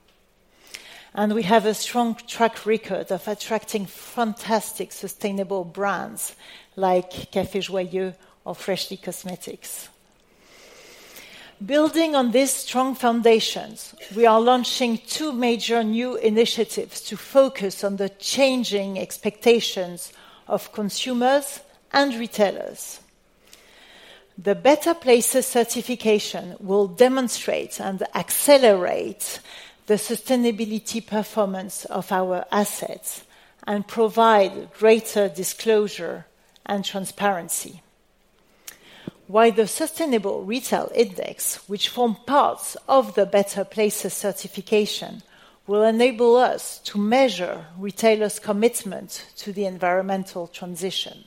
We have a strong track record of attracting fantastic sustainable brands like Café Joyeux or Freshly Cosmetics. Building on these strong foundations, we are launching two major new initiatives to focus on the changing expectations of consumers and Better Places certification will demonstrate and accelerate the sustainability performance of our assets and provide greater disclosure and transparency. While the Sustainable Retail Index, which form parts Better Places certification, will enable us to measure retailers' commitment to the environmental transition.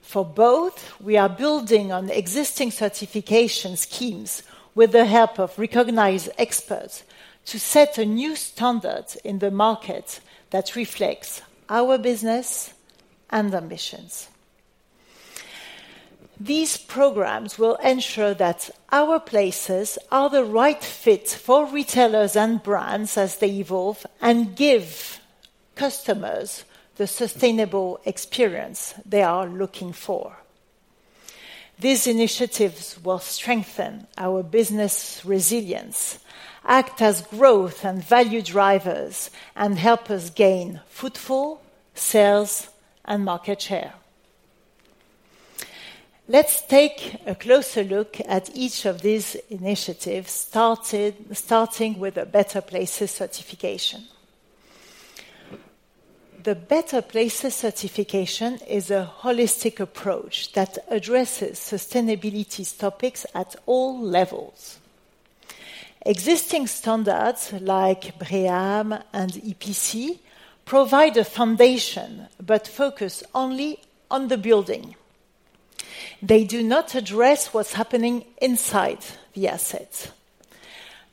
For both, we are building on existing certification schemes with the help of recognized experts, to set a new standard in the market that reflects our business and ambitions. These programs will ensure that our places are the right fit for retailers and brands as they evolve, and give customers the sustainable experience they are looking for. These initiatives will strengthen our business resilience, act as growth and value drivers, and help us gain footfall, sales, and market share. Let's take a closer look at each of these initiatives, starting Better Places certification is a holistic approach that addresses sustainability's topics at all levels. Existing standards like BREEAM and EPC provide a foundation, but focus only on the building. They do not address what's happening inside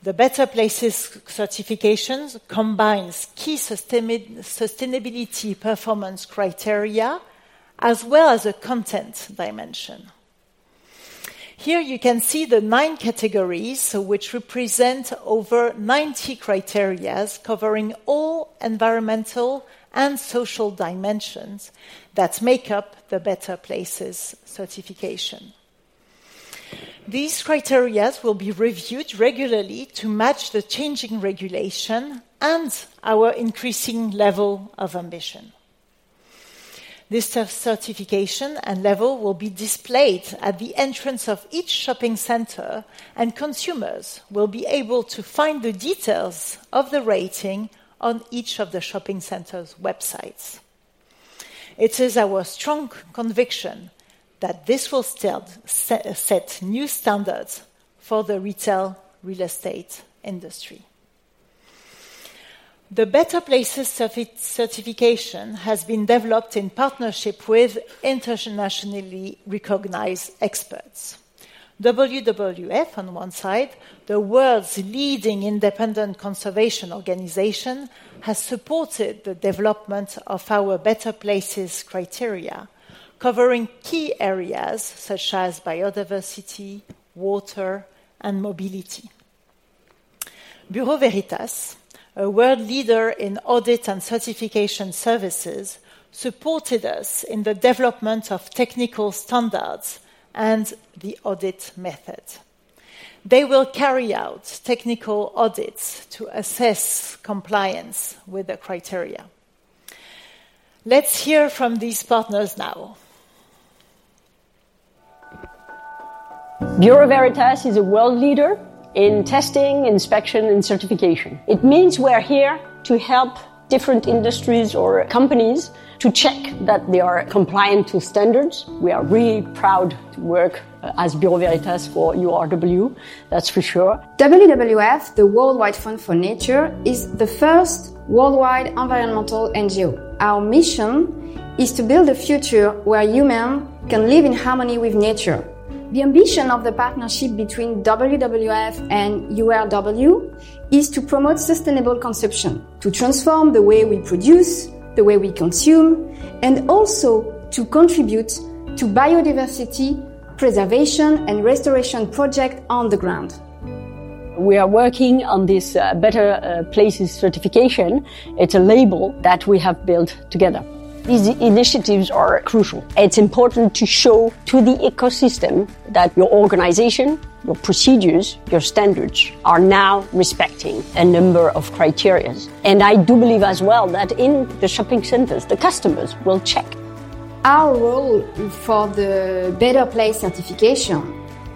the Better Places certification combines key sustainability performance criteria, as well as a content dimension. Here, you can see the 9 categories, so which represent over 90 criteria, covering all environmental and social dimensions that make Better Places certification. these criteria will be reviewed regularly to match the changing regulation and our increasing level of ambition. This certification and level will be displayed at the entrance of each shopping center, and consumers will be able to find the details of the rating on each of the shopping centers' websites. It is our strong conviction that this will set new standards for the retail real estate Better Places certification has been developed in partnership with internationally recognized experts. WWF, on one side, the world's leading independent conservation organization, has supported the development of our Better Places criteria, covering key areas such as biodiversity, water, and mobility. Bureau Veritas, a world leader in audit and certification services, supported us in the development of technical standards and the audit method. They will carry out technical audits to assess compliance with the criteria. Let's hear from these partners now. Bureau Veritas is a world leader in testing, inspection, and certification. It means we're here to help different industries or companies to check that they are compliant to standards. We are really proud to work as Bureau Veritas for URW, that's for sure. WWF, the World Wide Fund for Nature, is the first worldwide environmental NGO. Our mission is to build a future where human can live in harmony with nature. The ambition of the partnership between WWF and URW is to promote sustainable consumption, to transform the way we produce, the way we consume, and also to contribute to biodiversity, preservation, and restoration project on the ground. We are working Better Places certification. it's a label that we have built together. These initiatives are crucial. It's important to show to the ecosystem that your organization, your procedures, your standards, are now respecting a number of criteria. And I do believe as well that in the shopping centers, the customers will check. Our role Better Places certification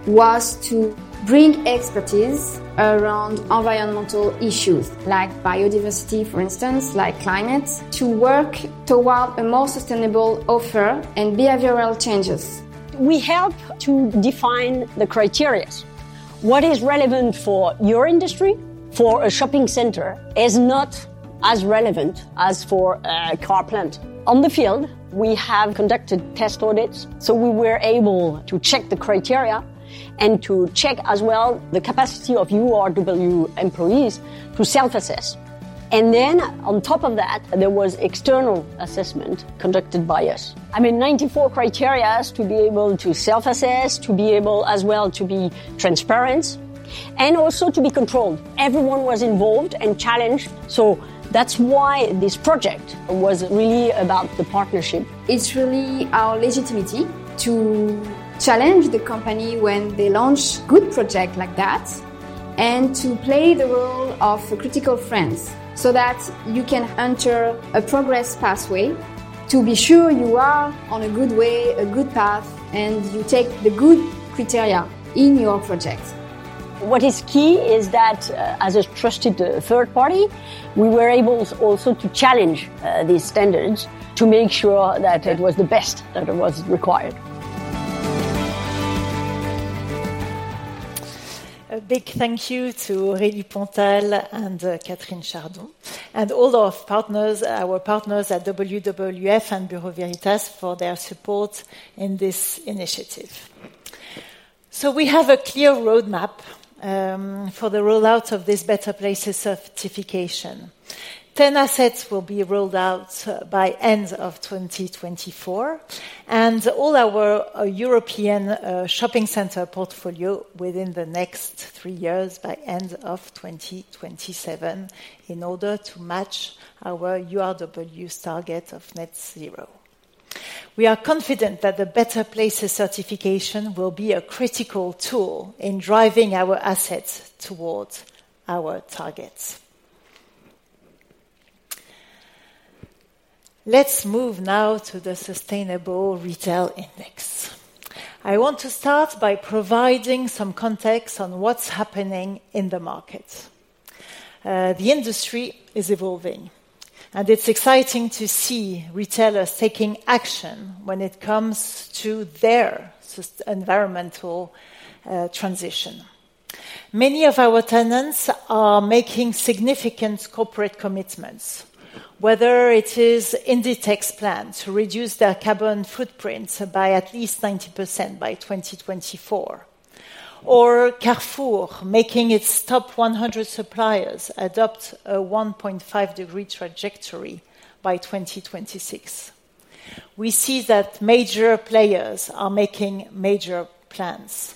was to bring expertise around environmental issues, like biodiversity, for instance, like climate, to work toward a more sustainable offer and behavioral changes. We help to define the criteria. What is relevant for your industry, for a shopping center, is not as relevant as for a car plant. On the field, we have conducted test audits, so we were able to check the criteria and to check as well the capacity of URW employees to self-assess. And then on top of that, there was external assessment conducted by us. I mean, 94 criteria to be able to self-assess, to be able, as well, to be transparent, and also to be controlled. Everyone was involved and challenged, so that's why this project was really about the partnership. It's really our legitimacy to challenge the company when they launch good project like that, and to play the role of critical friends so that you can enter a progress pathway to be sure you are on a good way, a good path, and you take the good criteria in your project. What is key is that, as a trusted, third party, we were able also to challenge, these standards to make sure that it was the best that it was required. A big thank you to Rémy Pantel and, Catherine Chardon, and all our partners, our partners at WWF and Bureau Veritas, for their support in this initiative. So we have a clear roadmap, for the rollout Better Places certification. 10 assets will be rolled out, by end of 2024, and all our, European, shopping center portfolio within the next three years, by end of 2027, in order to match our URW's target of net zero. We are confident Better Places certification will be a critical tool in driving our assets towards our targets. Let's move now to the Sustainable Retail Index. I want to start by providing some context on what's happening in the market. The industry is evolving, and it's exciting to see retailers taking action when it comes to their environmental, transition. Many of our tenants are making significant corporate commitments, whether it is Inditex plan to reduce their carbon footprint by at least 90% by 2024, or Carrefour making its top 100 suppliers adopt a 1.5-degree trajectory by 2026. We see that major players are making major plans.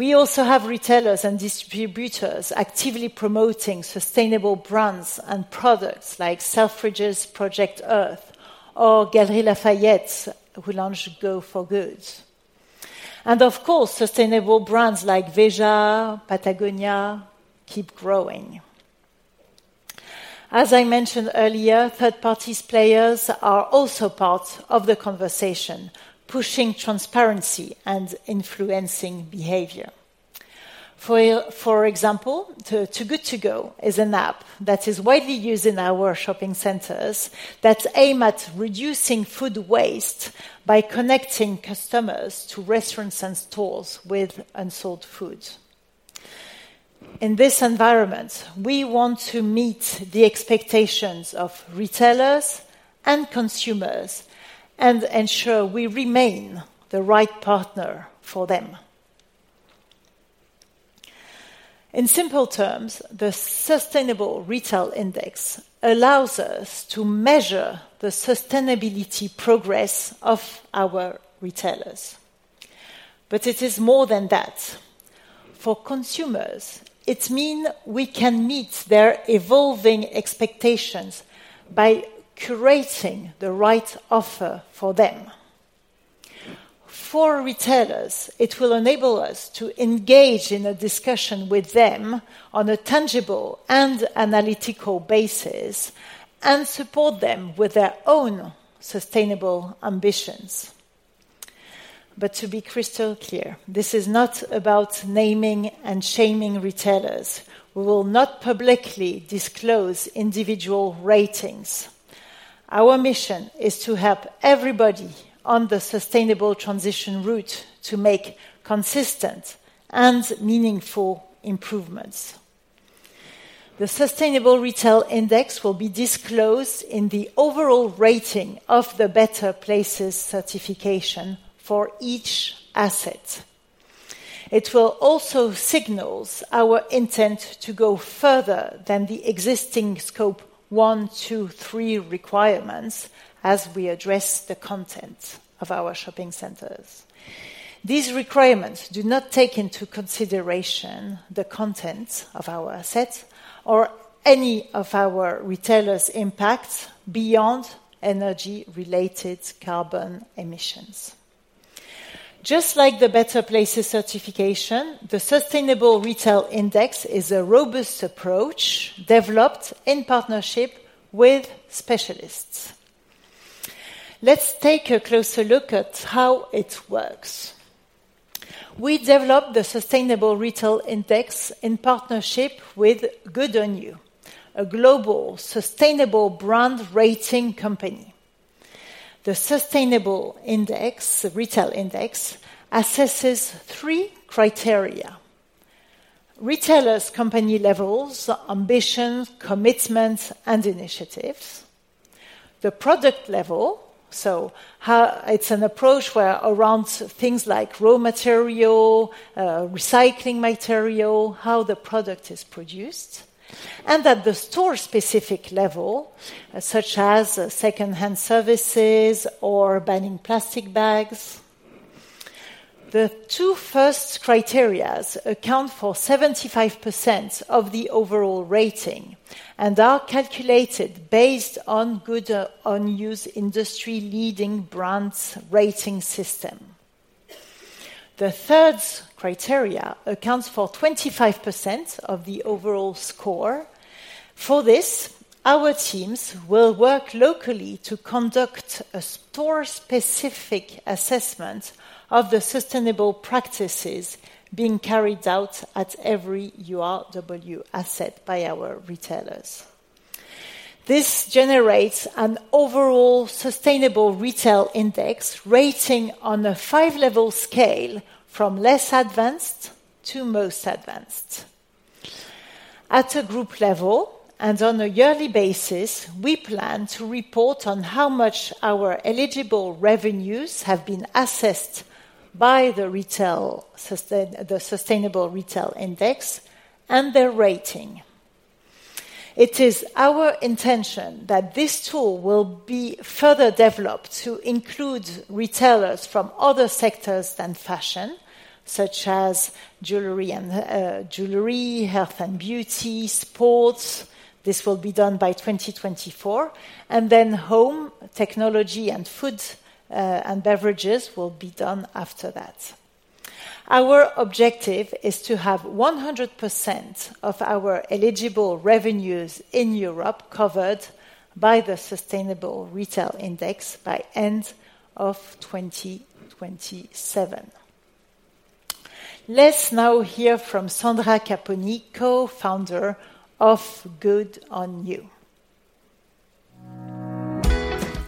We also have retailers and distributors actively promoting sustainable brands and products, like Selfridges Project Earth or Galeries Lafayette, who launched Go for Good. And of course, sustainable brands like Veja, Patagonia, keep growing. As I mentioned earlier, third-party players are also part of the conversation, pushing transparency and influencing behavior. For example, Too Good To Go is an app that is widely used in our shopping centers that's aim at reducing food waste by connecting customers to restaurants and stores with unsold foods. In this environment, we want to meet the expectations of retailers and consumers, and ensure we remain the right partner for them. In simple terms, the Sustainable Retail Index allows us to measure the sustainability progress of our retailers. But it is more than that. For consumers, it mean we can meet their evolving expectations by curating the right offer for them. For retailers, it will enable us to engage in a discussion with them on a tangible and analytical basis, and support them with their own sustainable ambitions. But to be crystal clear, this is not about naming and shaming retailers. We will not publicly disclose individual ratings. Our mission is to help everybody on the sustainable transition route to make consistent and meaningful improvements. The Sustainable Retail Index will be disclosed in the overall rating Better Places certification for each asset. It will also signal our intent to go further than the existing Scope 1, 2, 3 requirements as we address the content of our shopping centers. These requirements do not take into consideration the content of our assets or any of our retailers' impacts beyond energy-related carbon emissions. Just Better Places certification, the sustainable Retail Index is a robust approach developed in partnership with specialists. Let's take a closer look at how it works. We developed the Sustainable Retail Index in partnership with Good On You, a global sustainable brand rating company. The Sustainable Retail Index assesses three criteria: retailers' company levels, ambition, commitment, and initiatives; the product level, so how... It's an approach where around things like raw material, recycling material, how the product is produced; and at the store-specific level, such as second-hand services or banning plastic bags. The two first criteria account for 75% of the overall rating and are calculated based on Good On You's industry-leading brand rating system. The third criteria accounts for 25% of the overall score. For this, our teams will work locally to conduct a store-specific assessment of the sustainable practices being carried out at every URW asset by our retailers. This generates an overall Sustainable Retail Index rating on a five-level scale, from less advanced to most advanced. At a group level, and on a yearly basis, we plan to report on how much our eligible revenues have been assessed by the Sustainable Retail Index and their rating. It is our intention that this tool will be further developed to include retailers from other sectors than fashion, such as jewelry, health and beauty, sports. This will be done by 2024, and then home, technology, and food, and beverages will be done after that. Our objective is to have 100% of our eligible revenues in Europe covered by the Sustainable Retail Index by end of 2027. Let's now hear from Sandra Capponi, founder of Good On You.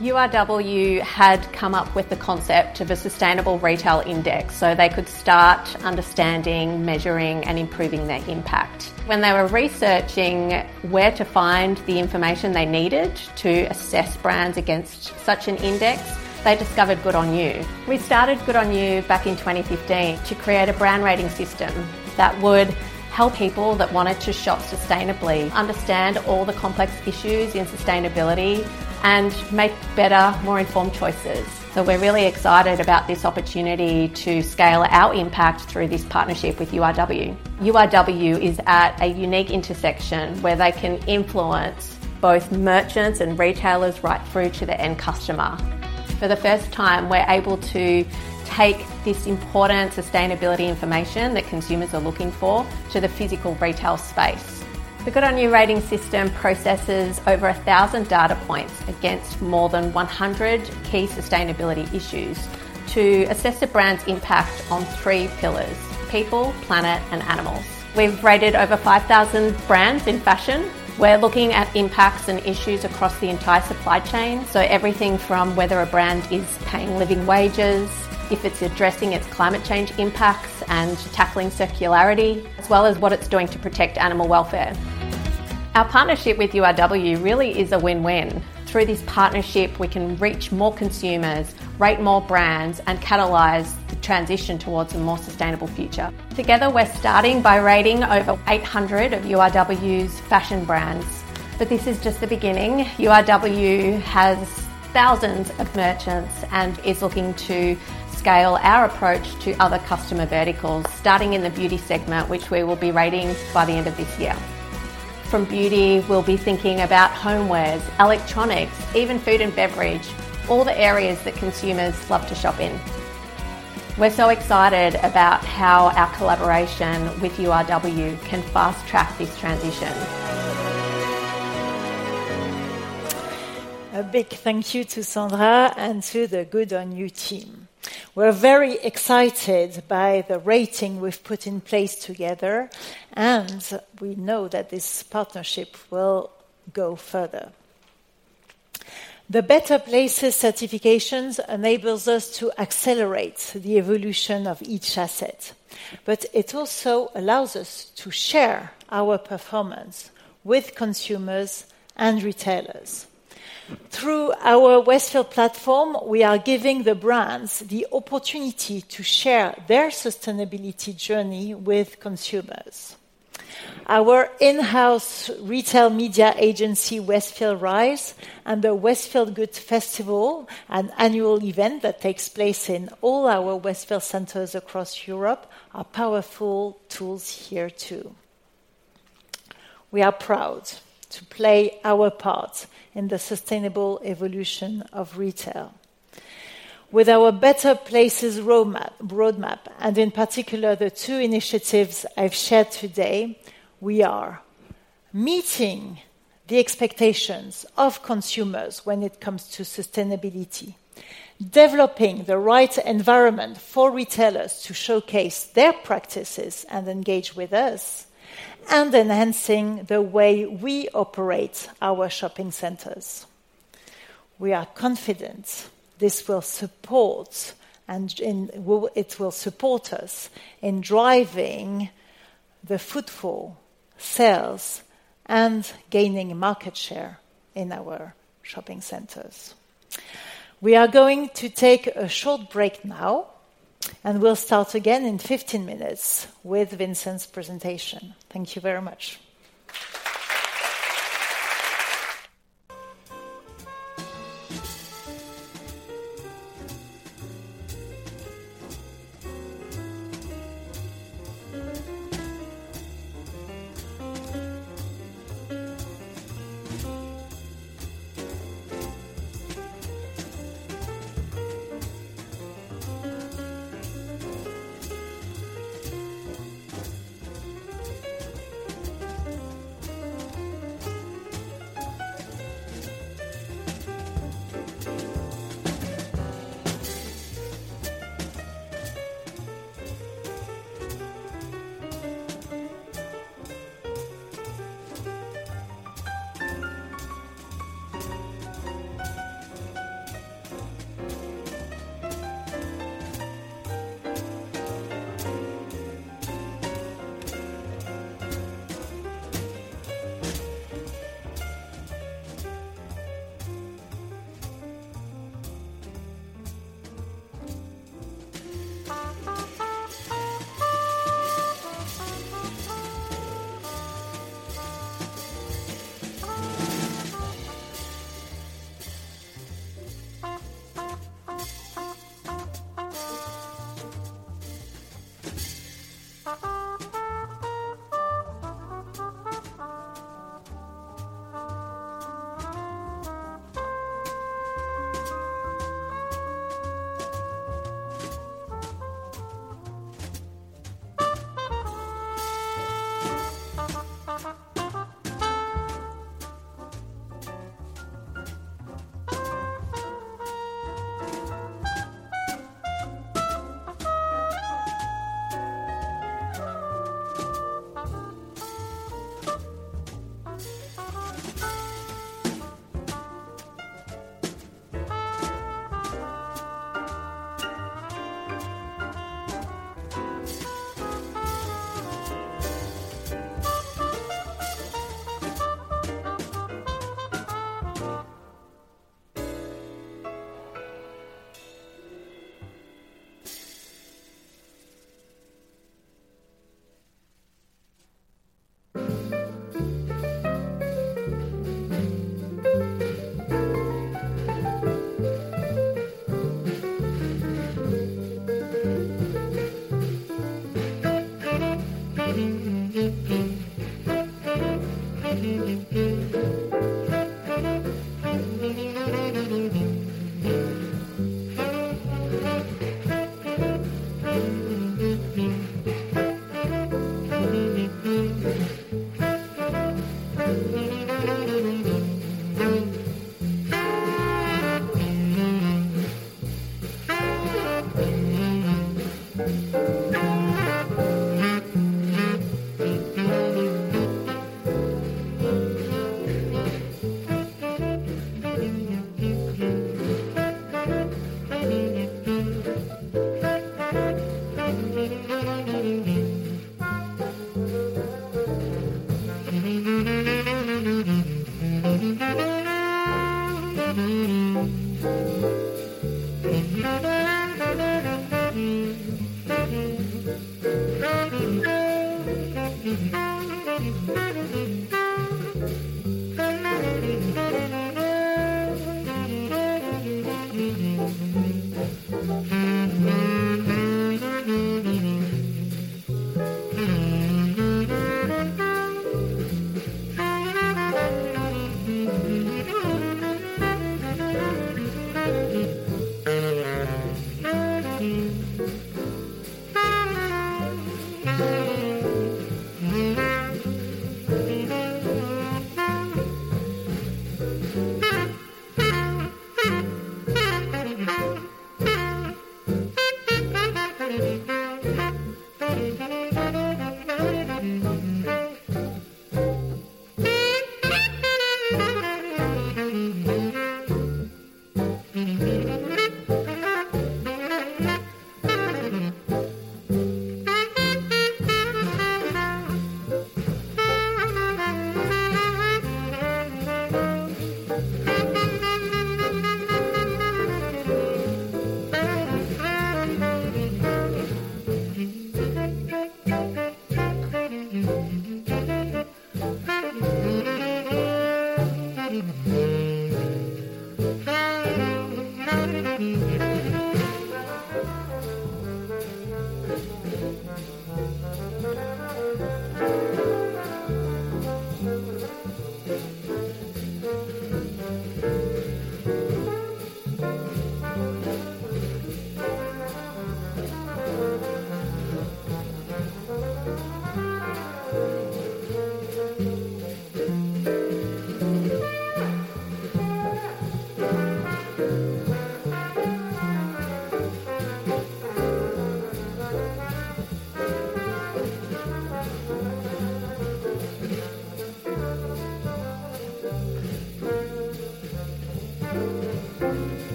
URW had come up with the concept of a Sustainable Retail Index, so they could start understanding, measuring, and improving their impact. When they were researching where to find the information they needed to assess brands against such an index, they discovered Good On You. We started Good On You back in 2015 to create a brand rating system that would help people that wanted to shop sustainably understand all the complex issues in sustainability and make better, more informed choices. So we're really excited about this opportunity to scale our impact through this partnership with URW. URW is at a unique intersection where they can influence both merchants and retailers right through to the end customer. For the first time, we're able to take this important sustainability information that consumers are looking for, to the physical retail space.... The Good On You rating system processes over 1,000 data points against more than 100 key sustainability issues to assess a brand's impact on three pillars: people, planet, and animals. We've rated over 5,000 brands in fashion. We're looking at impacts and issues across the entire supply chain, so everything from whether a brand is paying living wages, if it's addressing its climate change impacts and tackling circularity, as well as what it's doing to protect animal welfare. Our partnership with URW really is a win-win. Through this partnership, we can reach more consumers, rate more brands, and catalyze the transition towards a more sustainable future. Together, we're starting by rating over 800 of URW's fashion brands, but this is just the beginning. URW has thousands of merchants and is looking to scale our approach to other customer verticals, starting in the beauty segment, which we will be rating by the end of this year. From beauty, we'll be thinking about homewares, electronics, even food and beverage, all the areas that consumers love to shop in. We're so excited about how our collaboration with URW can fast-track this transition. A big thank you to Sandra and to the Good On You team. We're very excited by the rating we've put in place together, and we know that this partnership will go Better Places certifications enables us to accelerate the evolution of each asset, but it also allows us to share our performance with consumers and retailers. Through our Westfield platform, we are giving the brands the opportunity to share their sustainability journey with consumers. Our in-house retail media agency, Westfield Rise, and the Westfield Good Festival, an annual event that takes place in all our Westfield centers across Europe, are powerful tools here, too. We are proud to play our part in the sustainable evolution of retail. With our Better Places roadmap, and in particular, the two initiatives I've shared today, we are meeting the expectations of consumers when it comes to sustainability, developing the right environment for retailers to showcase their practices and engage with us, and enhancing the way we operate our shopping centers. We are confident this will support, it will support us in driving the footfall, sales, and gaining market share in our shopping centers. We are going to take a short break now, and we'll start again in 15 minutes with Vincent's presentation. Thank you very much. Good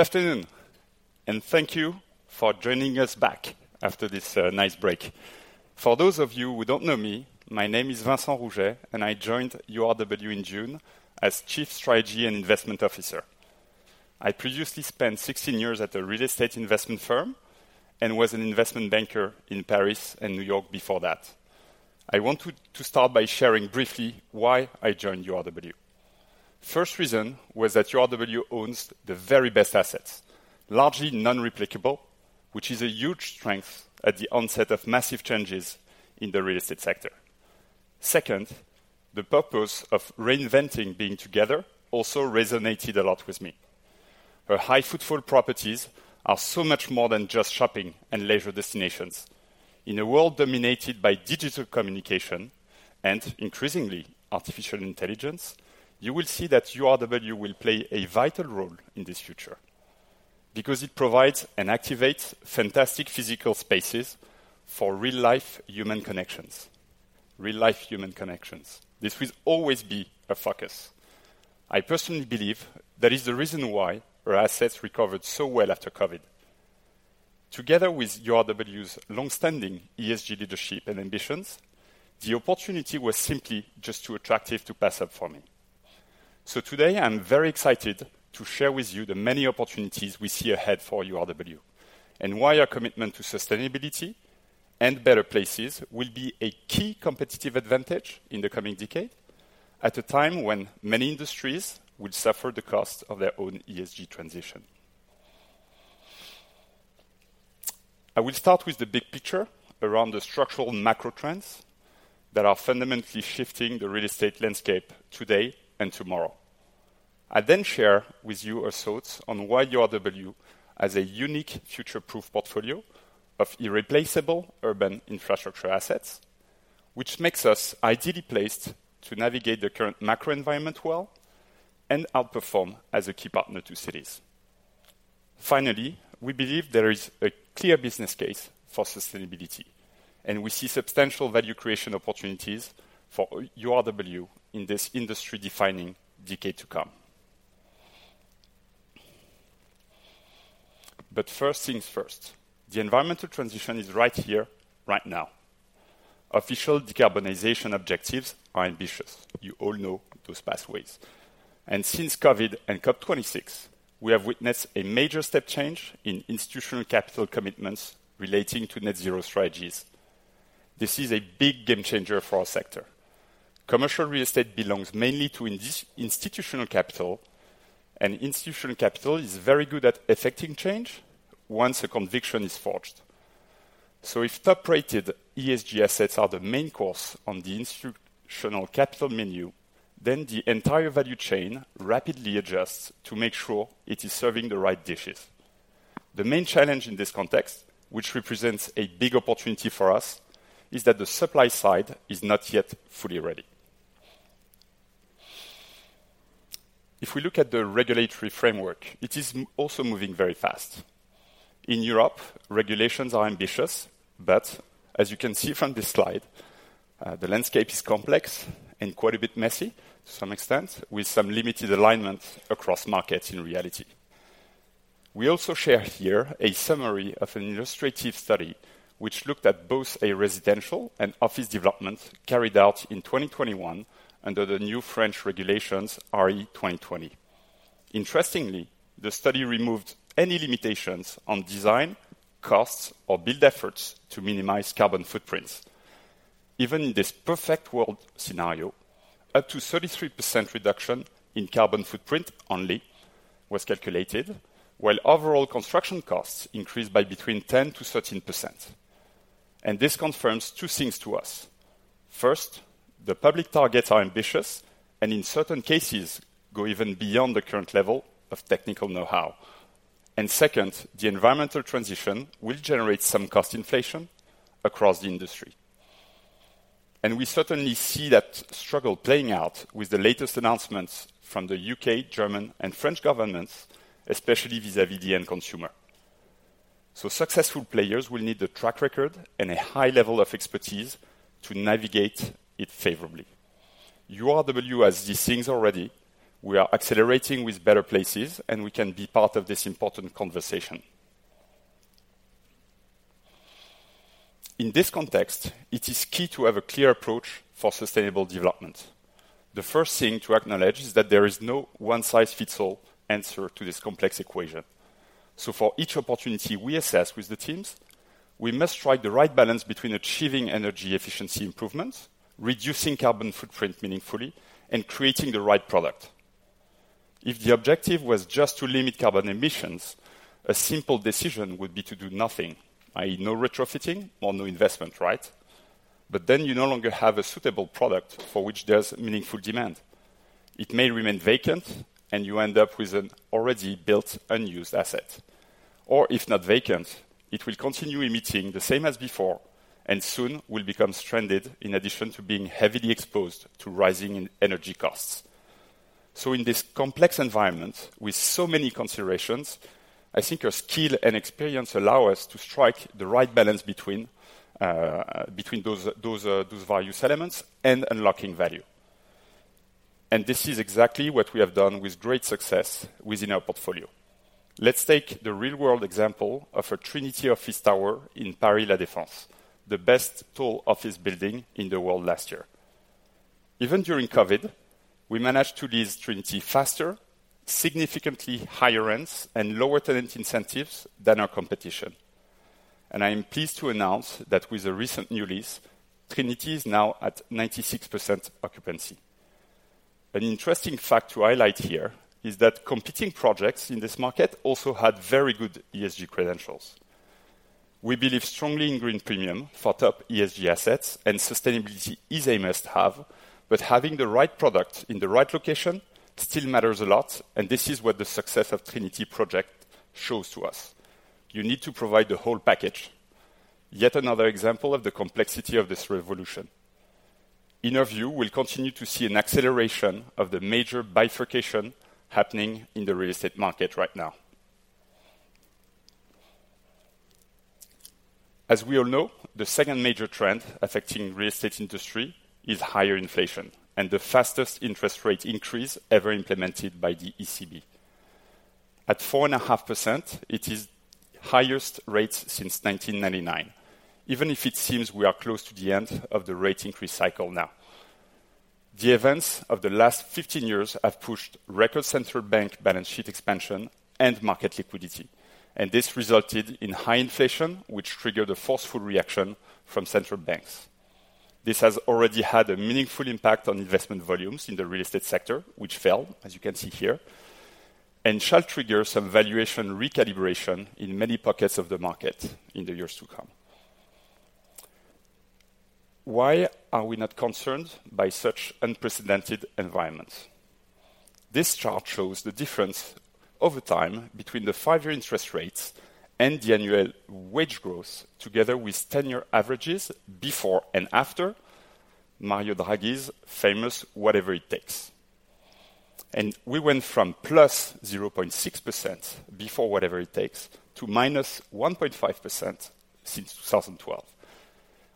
afternoon, and thank you for joining us back after this nice break. For those of you who don't know me, my name is Vincent Rouget, and I joined URW in June as Chief Strategy and Investment Officer. I previously spent 16 years at a real estate investment firm and was an investment banker in Paris and New York before that. I want to start by sharing briefly why I joined URW. First reason was that URW owns the very best assets, largely non-replicable, which is a huge strength at the onset of massive changes in the real estate sector. Second, the purpose of reinventing being together also resonated a lot with me. Our high-footfall properties are so much more than just shopping and leisure destinations. In a world dominated by digital communication and, increasingly, artificial intelligence, you will see that URW will play a vital role in this future because it provides and activates fantastic physical spaces for real-life human connections. Real-life human connections. This will always be a focus. I personally believe that is the reason why our assets recovered so well after COVID. Together with URW's long-standing ESG leadership and ambitions, the opportunity was simply just too attractive to pass up for me. So today, I'm very excited to share with you the many opportunities we see ahead for URW, and why our commitment to sustainability and better places will be a key competitive advantage in the coming decade, at a time when many industries will suffer the cost of their own ESG transition. I will start with the big picture around the structural macro trends that are fundamentally shifting the real estate landscape today and tomorrow. I'll then share with you our thoughts on why URW has a unique future-proof portfolio of irreplaceable urban infrastructure assets, which makes us ideally placed to navigate the current macro environment well and outperform as a key partner to cities. Finally, we believe there is a clear business case for sustainability, and we see substantial value creation opportunities for URW in this industry-defining decade to come. But first things first. The environmental transition is right here, right now. Official decarbonization objectives are ambitious. You all know those pathways. And since COVID and COP26, we have witnessed a major step change in institutional capital commitments relating to net zero strategies. This is a big game changer for our sector. Commercial real estate belongs mainly to institutional capital, and institutional capital is very good at effecting change once a conviction is forged. So if top-rated ESG assets are the main course on the institutional capital menu, then the entire value chain rapidly adjusts to make sure it is serving the right dishes. The main challenge in this context, which represents a big opportunity for us, is that the supply side is not yet fully ready. If we look at the regulatory framework, it is also moving very fast. In Europe, regulations are ambitious, but as you can see from this slide, the landscape is complex and quite a bit messy to some extent, with some limited alignment across markets in reality. We also share here a summary of an illustrative study, which looked at both a residential and office development carried out in 2021 under the new French regulations, RE2020. Interestingly, the study removed any limitations on design, costs, or build efforts to minimize carbon footprints. Even in this perfect world scenario, up to 33% reduction in carbon footprint only was calculated, while overall construction costs increased by between 10%-13%. This confirms two things to us. First, the public targets are ambitious, and in certain cases, go even beyond the current level of technical know-how. Second, the environmental transition will generate some cost inflation across the industry. We certainly see that struggle playing out with the latest announcements from the UK, German, and French governments, especially vis-à-vis the end consumer. So successful players will need a track record and a high level of expertise to navigate it favorably. URW has these things already. We are accelerating with Better Places, and we can be part of this important conversation. In this context, it is key to have a clear approach for sustainable development. The first thing to acknowledge is that there is no one-size-fits-all answer to this complex equation. So for each opportunity we assess with the teams, we must strike the right balance between achieving energy efficiency improvements, reducing carbon footprint meaningfully, and creating the right product. If the objective was just to limit carbon emissions, a simple decision would be to do nothing, i.e., no retrofitting or no investment, right? But then you no longer have a suitable product for which there's meaningful demand. It may remain vacant, and you end up with an already built, unused asset. Or if not vacant, it will continue emitting the same as before and soon will become stranded in addition to being heavily exposed to rising in energy costs. So in this complex environment, with so many considerations, I think our skill and experience allow us to strike the right balance between those various elements and unlocking value. And this is exactly what we have done with great success within our portfolio. Let's take the real-world example of a Trinity office tower in Paris La Défense, the best tall office building in the world last year. Even during COVID, we managed to lease Trinity faster, significantly higher rents, and lower tenant incentives than our competition. And I am pleased to announce that with a recent new lease, Trinity is now at 96% occupancy. An interesting fact to highlight here is that competing projects in this market also had very good ESG credentials. We believe strongly in green premium for top ESG assets, and sustainability is a must-have, but having the right product in the right location still matters a lot, and this is what the success of the Trinity project shows to us. You need to provide the whole package. Yet another example of the complexity of this revolution. In our view, we'll continue to see an acceleration of the major bifurcation happening in the real estate market right now. As we all know, the second major trend affecting real estate industry is higher inflation and the fastest interest rate increase ever implemented by the ECB. At 4.5%, it is highest rate since 1999, even if it seems we are close to the end of the rate increase cycle now. The events of the last 15 years have pushed record central bank balance sheet expansion and market liquidity, and this resulted in high inflation, which triggered a forceful reaction from central banks. This has already had a meaningful impact on investment volumes in the real estate sector, which fell, as you can see here, and shall trigger some valuation recalibration in many pockets of the market in the years to come. Why are we not concerned by such unprecedented environment? This chart shows the difference over time between the 5-year interest rates and the annual wage growth, together with 10-year averages before and after Marco Draghi's famous, "Whatever it takes." We went from +0.6% before whatever it takes, to -1.5% since 2012,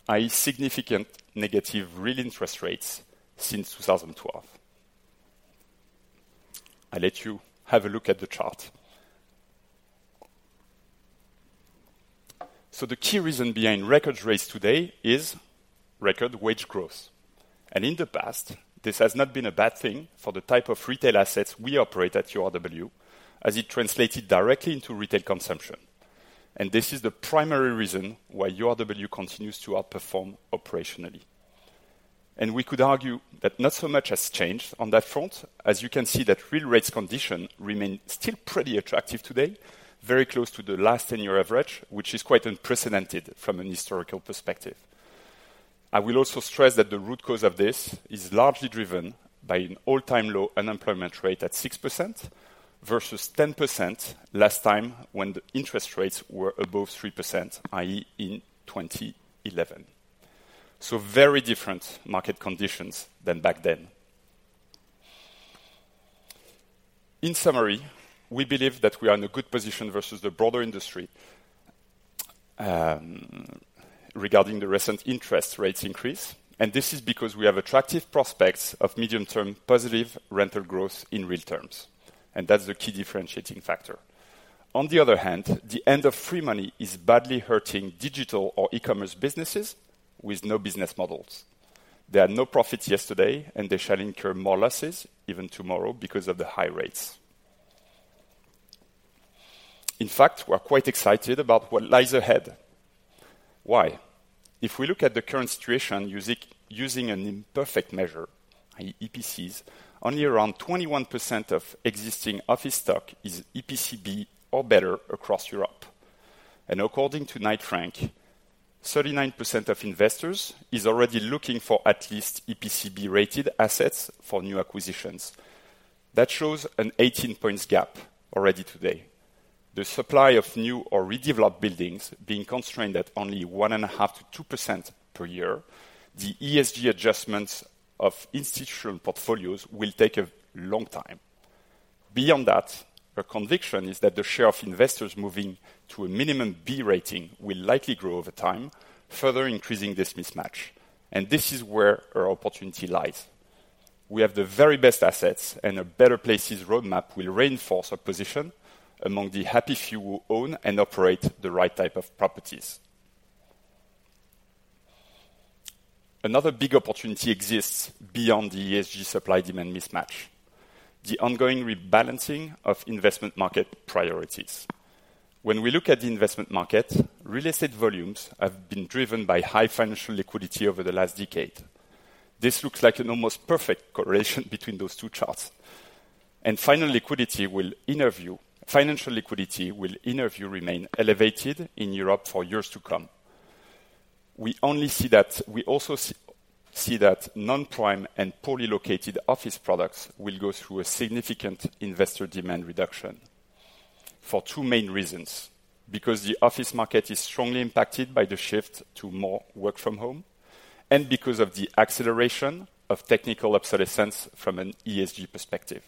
a significant negative real interest rates since 2012. I let you have a look at the chart. So the key reason behind record rates today is record wage growth. In the past, this has not been a bad thing for the type of retail assets we operate at URW, as it translated directly into retail consumption. We could argue that not so much has changed on that front. As you can see, that real rates condition remain still pretty attractive today, very close to the last ten-year average, which is quite unprecedented from an historical perspective. I will also stress that the root cause of this is largely driven by an all-time low unemployment rate at 6%, versus 10% last time when the interest rates were above 3%, i.e., in 2011. So very different market conditions than back then. In summary, we believe that we are in a good position versus the broader industry.... regarding the recent interest rates increase, and this is because we have attractive prospects of medium-term positive rental growth in real terms, and that's the key differentiating factor. On the other hand, the end of free money is badly hurting digital or e-commerce businesses with no business models. There are no profits yesterday, and they shall incur more losses even tomorrow because of the high rates. In fact, we're quite excited about what lies ahead. Why? If we look at the current situation using an imperfect measure, EPCs, only around 21% of existing office stock is EPC B or better across Europe. According to Knight Frank, 39% of investors is already looking for at least EPC B-rated assets for new acquisitions. That shows an 18-point gap already today. The supply of new or redeveloped buildings being constrained at only 1.5%-2% per year, the ESG adjustments of institutional portfolios will take a long time. Beyond that, our conviction is that the share of investors moving to a minimum B rating will likely grow over time, further increasing this mismatch. This is where our opportunity lies. We have the very best assets, and a Better Places roadmap will reinforce our position among the happy few who own and operate the right type of properties. Another big opportunity exists beyond the ESG supply-demand mismatch, the ongoing rebalancing of investment market priorities. When we look at the investment market, real estate volumes have been driven by high financial liquidity over the last decade. This looks like an almost perfect correlation between those two charts. And financial liquidity will in turn remain elevated in Europe for years to come. We also see that non-prime and poorly located office products will go through a significant investor demand reduction for two main reasons: because the office market is strongly impacted by the shift to more work from home, and because of the acceleration of technical obsolescence from an ESG perspective.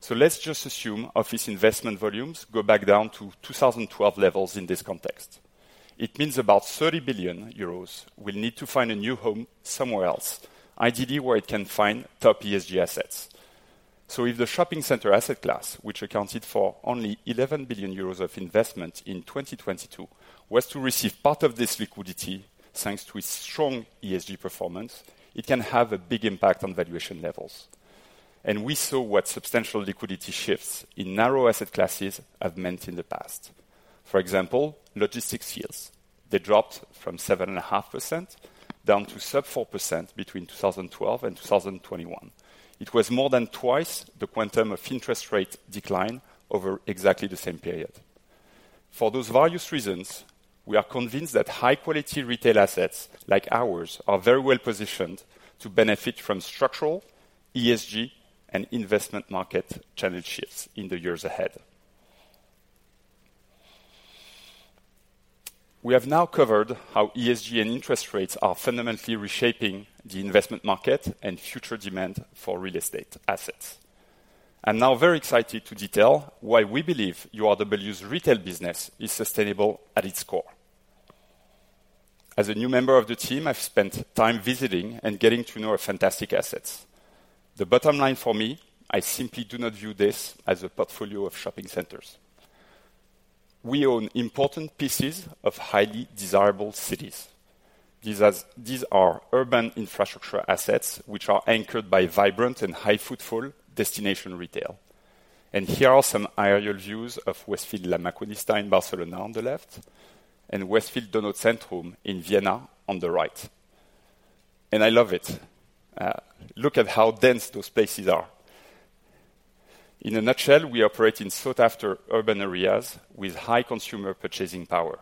So let's just assume office investment volumes go back down to 2012 levels in this context. It means about 30 billion euros will need to find a new home somewhere else, ideally, where it can find top ESG assets. So if the shopping center asset class, which accounted for only 11 billion euros of investment in 2022, was to receive part of this liquidity, thanks to its strong ESG performance, it can have a big impact on valuation levels. And we saw what substantial liquidity shifts in narrow asset classes have meant in the past. For example, logistics yields, they dropped from 7.5% down to sub-4% between 2012 and 2021. It was more than twice the quantum of interest rate decline over exactly the same period. For those various reasons, we are convinced that high-quality retail assets like ours are very well positioned to benefit from structural, ESG, and investment market channel shifts in the years ahead. We have now covered how ESG and interest rates are fundamentally reshaping the investment market and future demand for real estate assets. I'm now very excited to detail why we believe URW's retail business is sustainable at its core. As a new member of the team, I've spent time visiting and getting to know our fantastic assets. The bottom line for me, I simply do not view this as a portfolio of shopping centers. We own important pieces of highly desirable cities. These are urban infrastructure assets, which are anchored by vibrant and high-footfall destination retail. Here are some aerial views of Westfield La Maquinista in Barcelona on the left, and Westfield Donau Zentrum in Vienna on the right. I love it. Look at how dense those places are. In a nutshell, we operate in sought-after urban areas with high consumer purchasing power.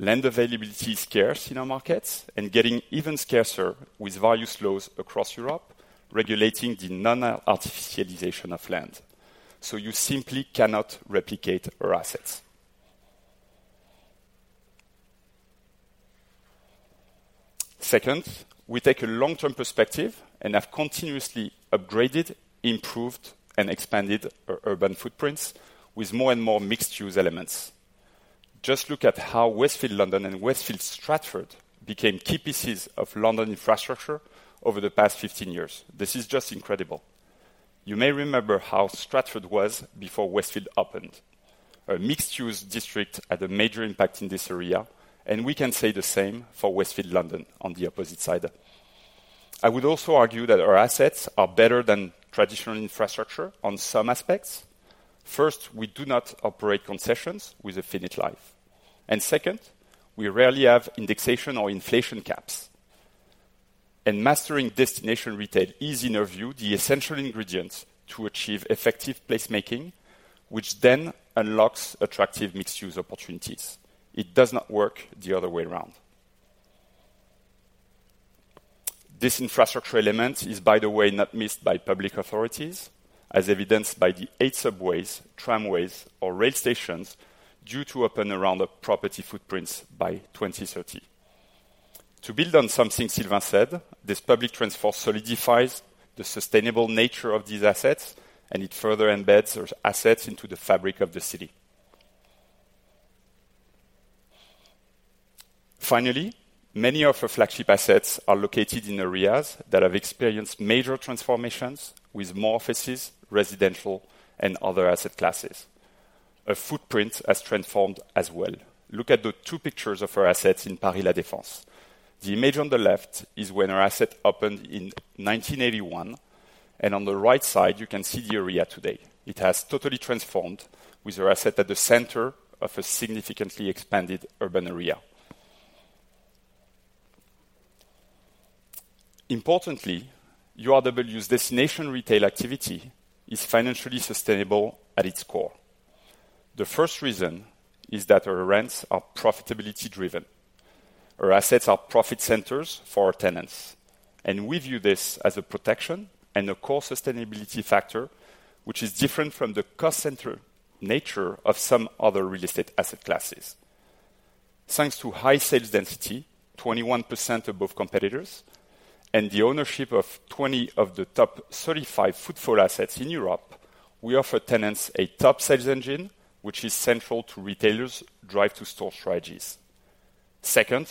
Land availability is scarce in our markets and getting even scarcer with various laws across Europe, regulating the non-artificialization of land, so you simply cannot replicate our assets. Second, we take a long-term perspective and have continuously upgraded, improved, and expanded our urban footprints with more and more mixed-use elements. Just look at how Westfield London and Westfield Stratford became key pieces of London infrastructure over the past 15 years. This is just incredible. You may remember how Stratford was before Westfield opened. A mixed-use district had a major impact in this area, and we can say the same for Westfield London on the opposite side. I would also argue that our assets are better than traditional infrastructure on some aspects. First, we do not operate concessions with finite life, and second, we rarely have indexation or inflation caps. Mastering destination retail is, in our view, the essential ingredient to achieve effective placemaking, which then unlocks attractive mixed-use opportunities. It does not work the other way around. This infrastructure element is, by the way, not missed by public authorities, as evidenced by the 8 subways, tramways, or rail stations due to open around the property footprints by 2030. To build on something Sylvain said, this public transport solidifies the sustainable nature of these assets, and it further embeds those assets into the fabric of the city. Finally, many of our flagship assets are located in areas that have experienced major transformations with more offices, residential, and other asset classes. A footprint has transformed as well. Look at the two pictures of our assets in Paris La Défense. The image on the left is when our asset opened in 1981, and on the right side, you can see the area today. It has totally transformed with our asset at the center of a significantly expanded urban area. Importantly, URW's destination retail activity is financially sustainable at its core. The first reason is that our rents are profitability driven. Our assets are profit centers for our tenants, and we view this as a protection and a core sustainability factor, which is different from the cost center nature of some other real estate asset classes. Thanks to high sales density, 21% above competitors, and the ownership of 20 of the top 35 footfall assets in Europe, we offer tenants a top sales engine, which is central to retailers' drive to store strategies. Second,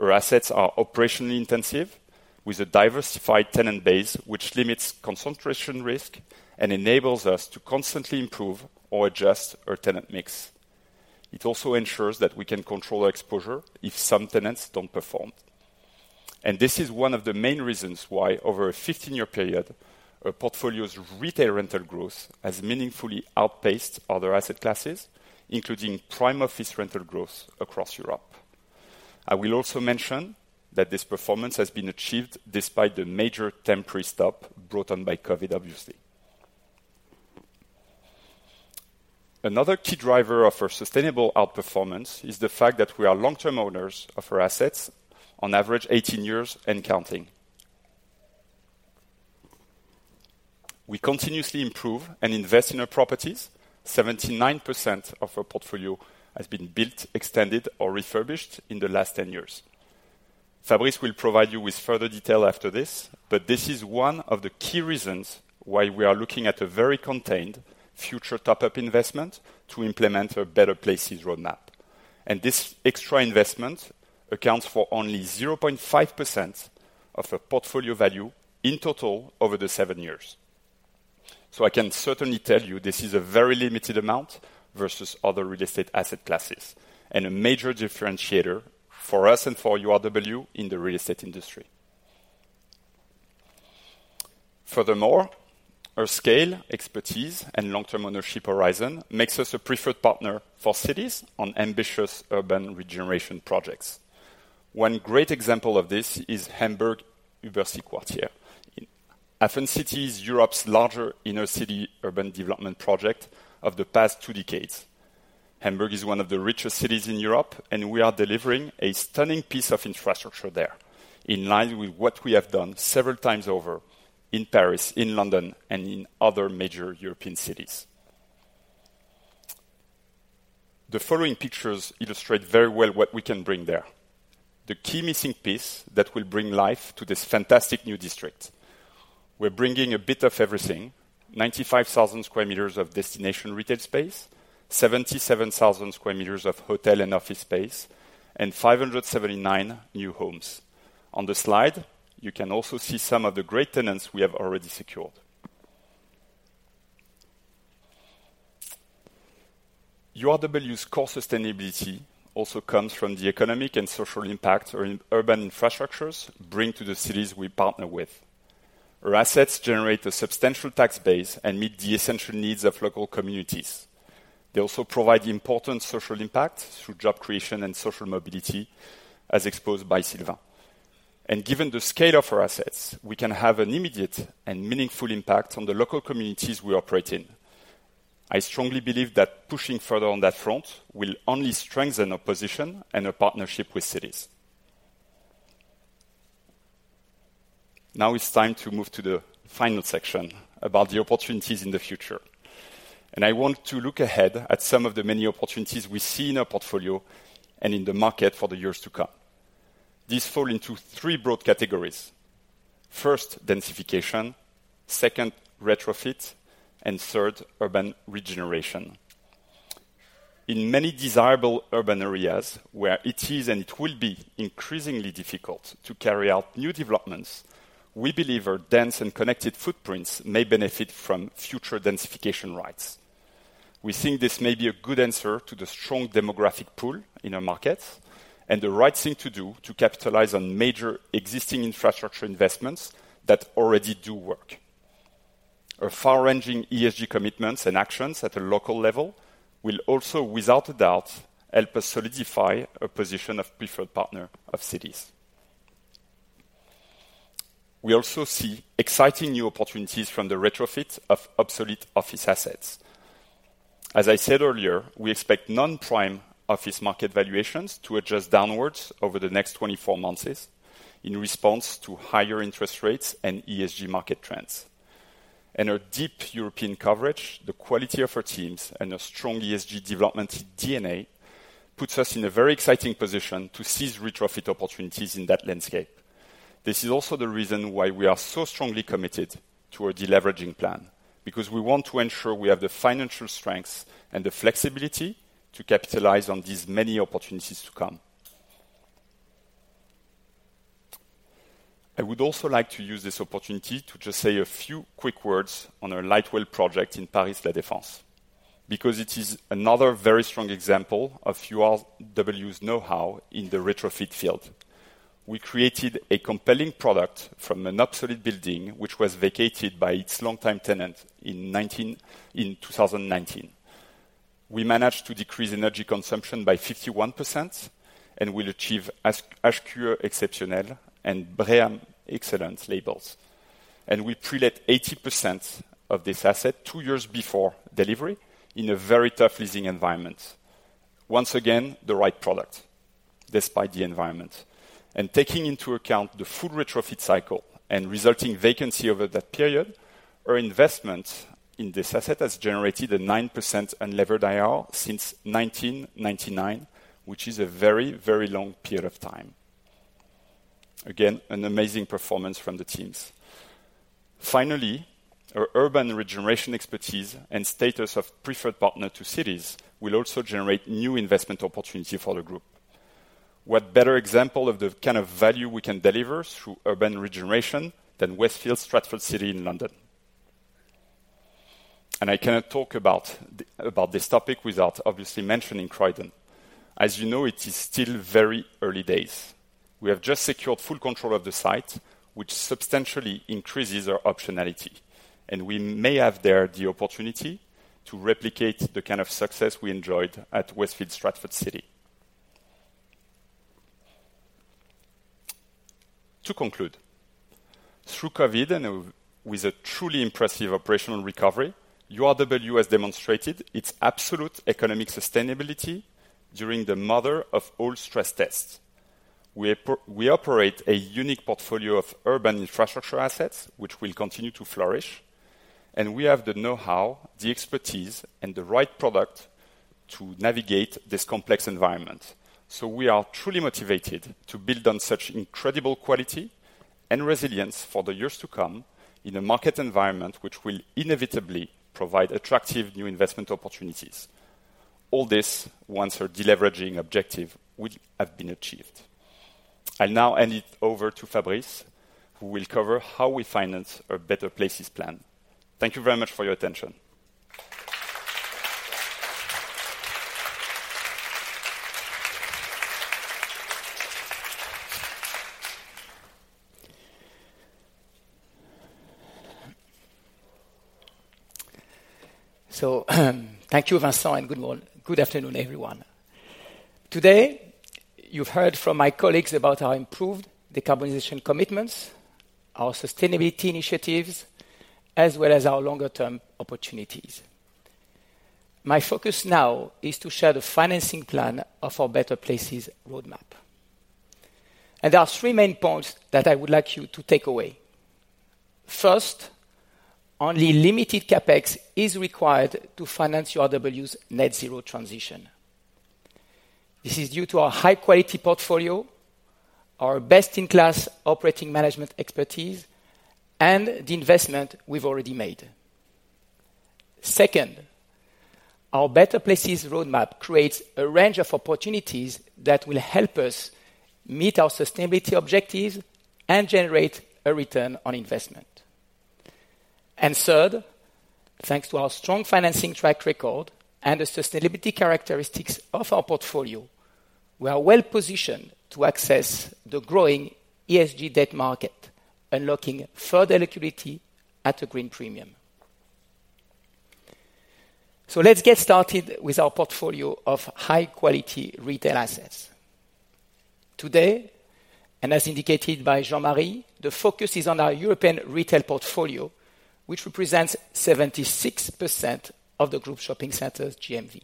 our assets are operationally intensive, with a diversified tenant base, which limits concentration risk and enables us to constantly improve or adjust our tenant mix. It also ensures that we can control our exposure if some tenants don't perform. And this is one of the main reasons why, over a 15-year period, our portfolio's retail rental growth has meaningfully outpaced other asset classes, including prime office rental growth across Europe. I will also mention that this performance has been achieved despite the major temporary stop brought on by COVID, obviously. Another key driver of our sustainable outperformance is the fact that we are long-term owners of our assets, on average 18 years and counting. We continuously improve and invest in our properties. 79% of our portfolio has been built, extended, or refurbished in the last 10 years. Fabrice will provide you with further detail after this, but this is one of the key reasons why we are looking at a very contained future top-up investment to implement a Better Places roadmap. This extra investment accounts for only 0.5% of our portfolio value in total over the 7 years. I can certainly tell you this is a very limited amount versus other real estate asset classes, and a major differentiator for us and for URW in the real estate industry. Furthermore, our scale, expertise, and long-term ownership horizon makes us a preferred partner for cities on ambitious urban regeneration projects. One great example of this is Hamburg Überseequartier. HafenCity is Europe's largest inner-city urban development project of the past two decades. Hamburg is one of the richest cities in Europe, and we are delivering a stunning piece of infrastructure there, in line with what we have done several times over in Paris, in London, and in other major European cities. The following pictures illustrate very well what we can bring there. The key missing piece that will bring life to this fantastic new district. We're bringing a bit of everything, 95,000 square meters of destination retail space, 77,000 square meters of hotel and office space, and 579 new homes. On the slide, you can also see some of the great tenants we have already secured. URW's core sustainability also comes from the economic and social impact our urban infrastructures bring to the cities we partner with. Our assets generate a substantial tax base and meet the essential needs of local communities. They also provide important social impact through job creation and social mobility, as exposed by Sylvain. And given the scale of our assets, we can have an immediate and meaningful impact on the local communities we operate in. I strongly believe that pushing further on that front will only strengthen our position and our partnership with cities. Now it's time to move to the final section about the opportunities in the future, and I want to look ahead at some of the many opportunities we see in our portfolio and in the market for the years to come. These fall into three broad categories. First, densification, second, retrofit, and third, urban regeneration. In many desirable urban areas, where it is and it will be increasingly difficult to carry out new developments, we believe our dense and connected footprints may benefit from future densification rights. We think this may be a good answer to the strong demographic pool in our markets and the right thing to do to capitalize on major existing infrastructure investments that already do work. Our far-ranging ESG commitments and actions at a local level will also, without a doubt, help us solidify a position of preferred partner of cities. We also see exciting new opportunities from the retrofit of obsolete office assets. As I said earlier, we expect non-prime office market valuations to adjust downwards over the next 24 months in response to higher interest rates and ESG market trends.... Our deep European coverage, the quality of our teams, and a strong ESG development DNA, puts us in a very exciting position to seize retrofit opportunities in that landscape. This is also the reason why we are so strongly committed to our deleveraging plan, because we want to ensure we have the financial strength and the flexibility to capitalize on these many opportunities to come. I would also like to use this opportunity to just say a few quick words on our Lightwell project in Paris La Défense, because it is another very strong example of URW's know-how in the retrofit field. We created a compelling product from an obsolete building, which was vacated by its long-time tenant in 2019. We managed to decrease energy consumption by 51%, and will achieve HQE Exceptional and BREEAM Excellent labels. We pre-let 80% of this asset two years before delivery in a very tough leasing environment. Once again, the right product, despite the environment. Taking into account the full retrofit cycle and resulting vacancy over that period, our investment in this asset has generated a 9% unlevered IRR since 1999, which is a very, very long period of time. Again, an amazing performance from the teams. Finally, our urban regeneration expertise and status of preferred partner to cities will also generate new investment opportunity for the group. What better example of the kind of value we can deliver through urban regeneration than Westfield Stratford City in London? I cannot talk about this topic without obviously mentioning Croydon. As you know, it is still very early days. We have just secured full control of the site, which substantially increases our optionality, and we may have there the opportunity to replicate the kind of success we enjoyed at Westfield Stratford City. To conclude, through COVID, and with a truly impressive operational recovery, URW has demonstrated its absolute economic sustainability during the mother of all stress tests. We operate a unique portfolio of urban infrastructure assets, which will continue to flourish, and we have the know-how, the expertise, and the right product to navigate this complex environment. So we are truly motivated to build on such incredible quality and resilience for the years to come in a market environment which will inevitably provide attractive new investment opportunities, all this once our deleveraging objective will have been achieved. I'll now hand it over to Fabrice, who will cover how we finance our Better Places plan. Thank you very much for your attention. Thank you, Vincent, and good morning. Good afternoon, everyone. Today, you've heard from my colleagues about our improved decarbonization commitments, our sustainability initiatives, as well as our longer-term opportunities. My focus now is to share the financing plan of our Better Places roadmap. There are three main points that I would like you to take away. First, only limited CapEx is required to finance URW's net zero transition. This is due to our high-quality portfolio, our best-in-class operating management expertise, and the investment we've already made. Second, our Better Places roadmap creates a range of opportunities that will help us meet our sustainability objectives and generate a return on investment. Third, thanks to our strong financing track record and the sustainability characteristics of our portfolio, we are well positioned to access the growing ESG debt market, unlocking further liquidity at a green premium. So let's get started with our portfolio of high-quality retail assets. Today, and as indicated by Jean-Marie, the focus is on our European retail portfolio, which represents 76% of the group shopping centers GMV.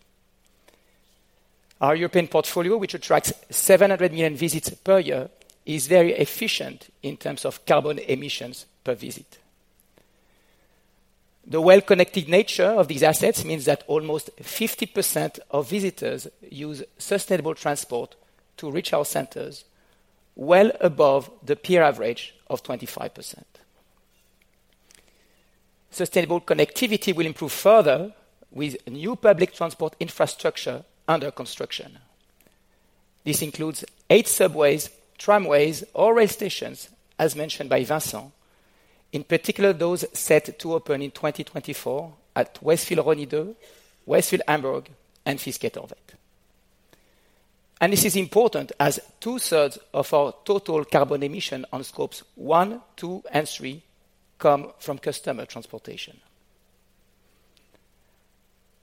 Our European portfolio, which attracts 700 million visits per year, is very efficient in terms of carbon emissions per visit. The well-connected nature of these assets means that almost 50% of visitors use sustainable transport to reach our centers, well above the peer average of 25%. Sustainable connectivity will improve further with new public transport infrastructure under construction. This includes eight subways, tramways, or rail stations, as mentioned by Vincent, in particular, those set to open in 2024 at Westfield Rosny 2, Westfield Hamburg, and Fisketorvet. This is important, as two-thirds of our total carbon emission on Scopes 1, 2, and 3 come from customer transportation.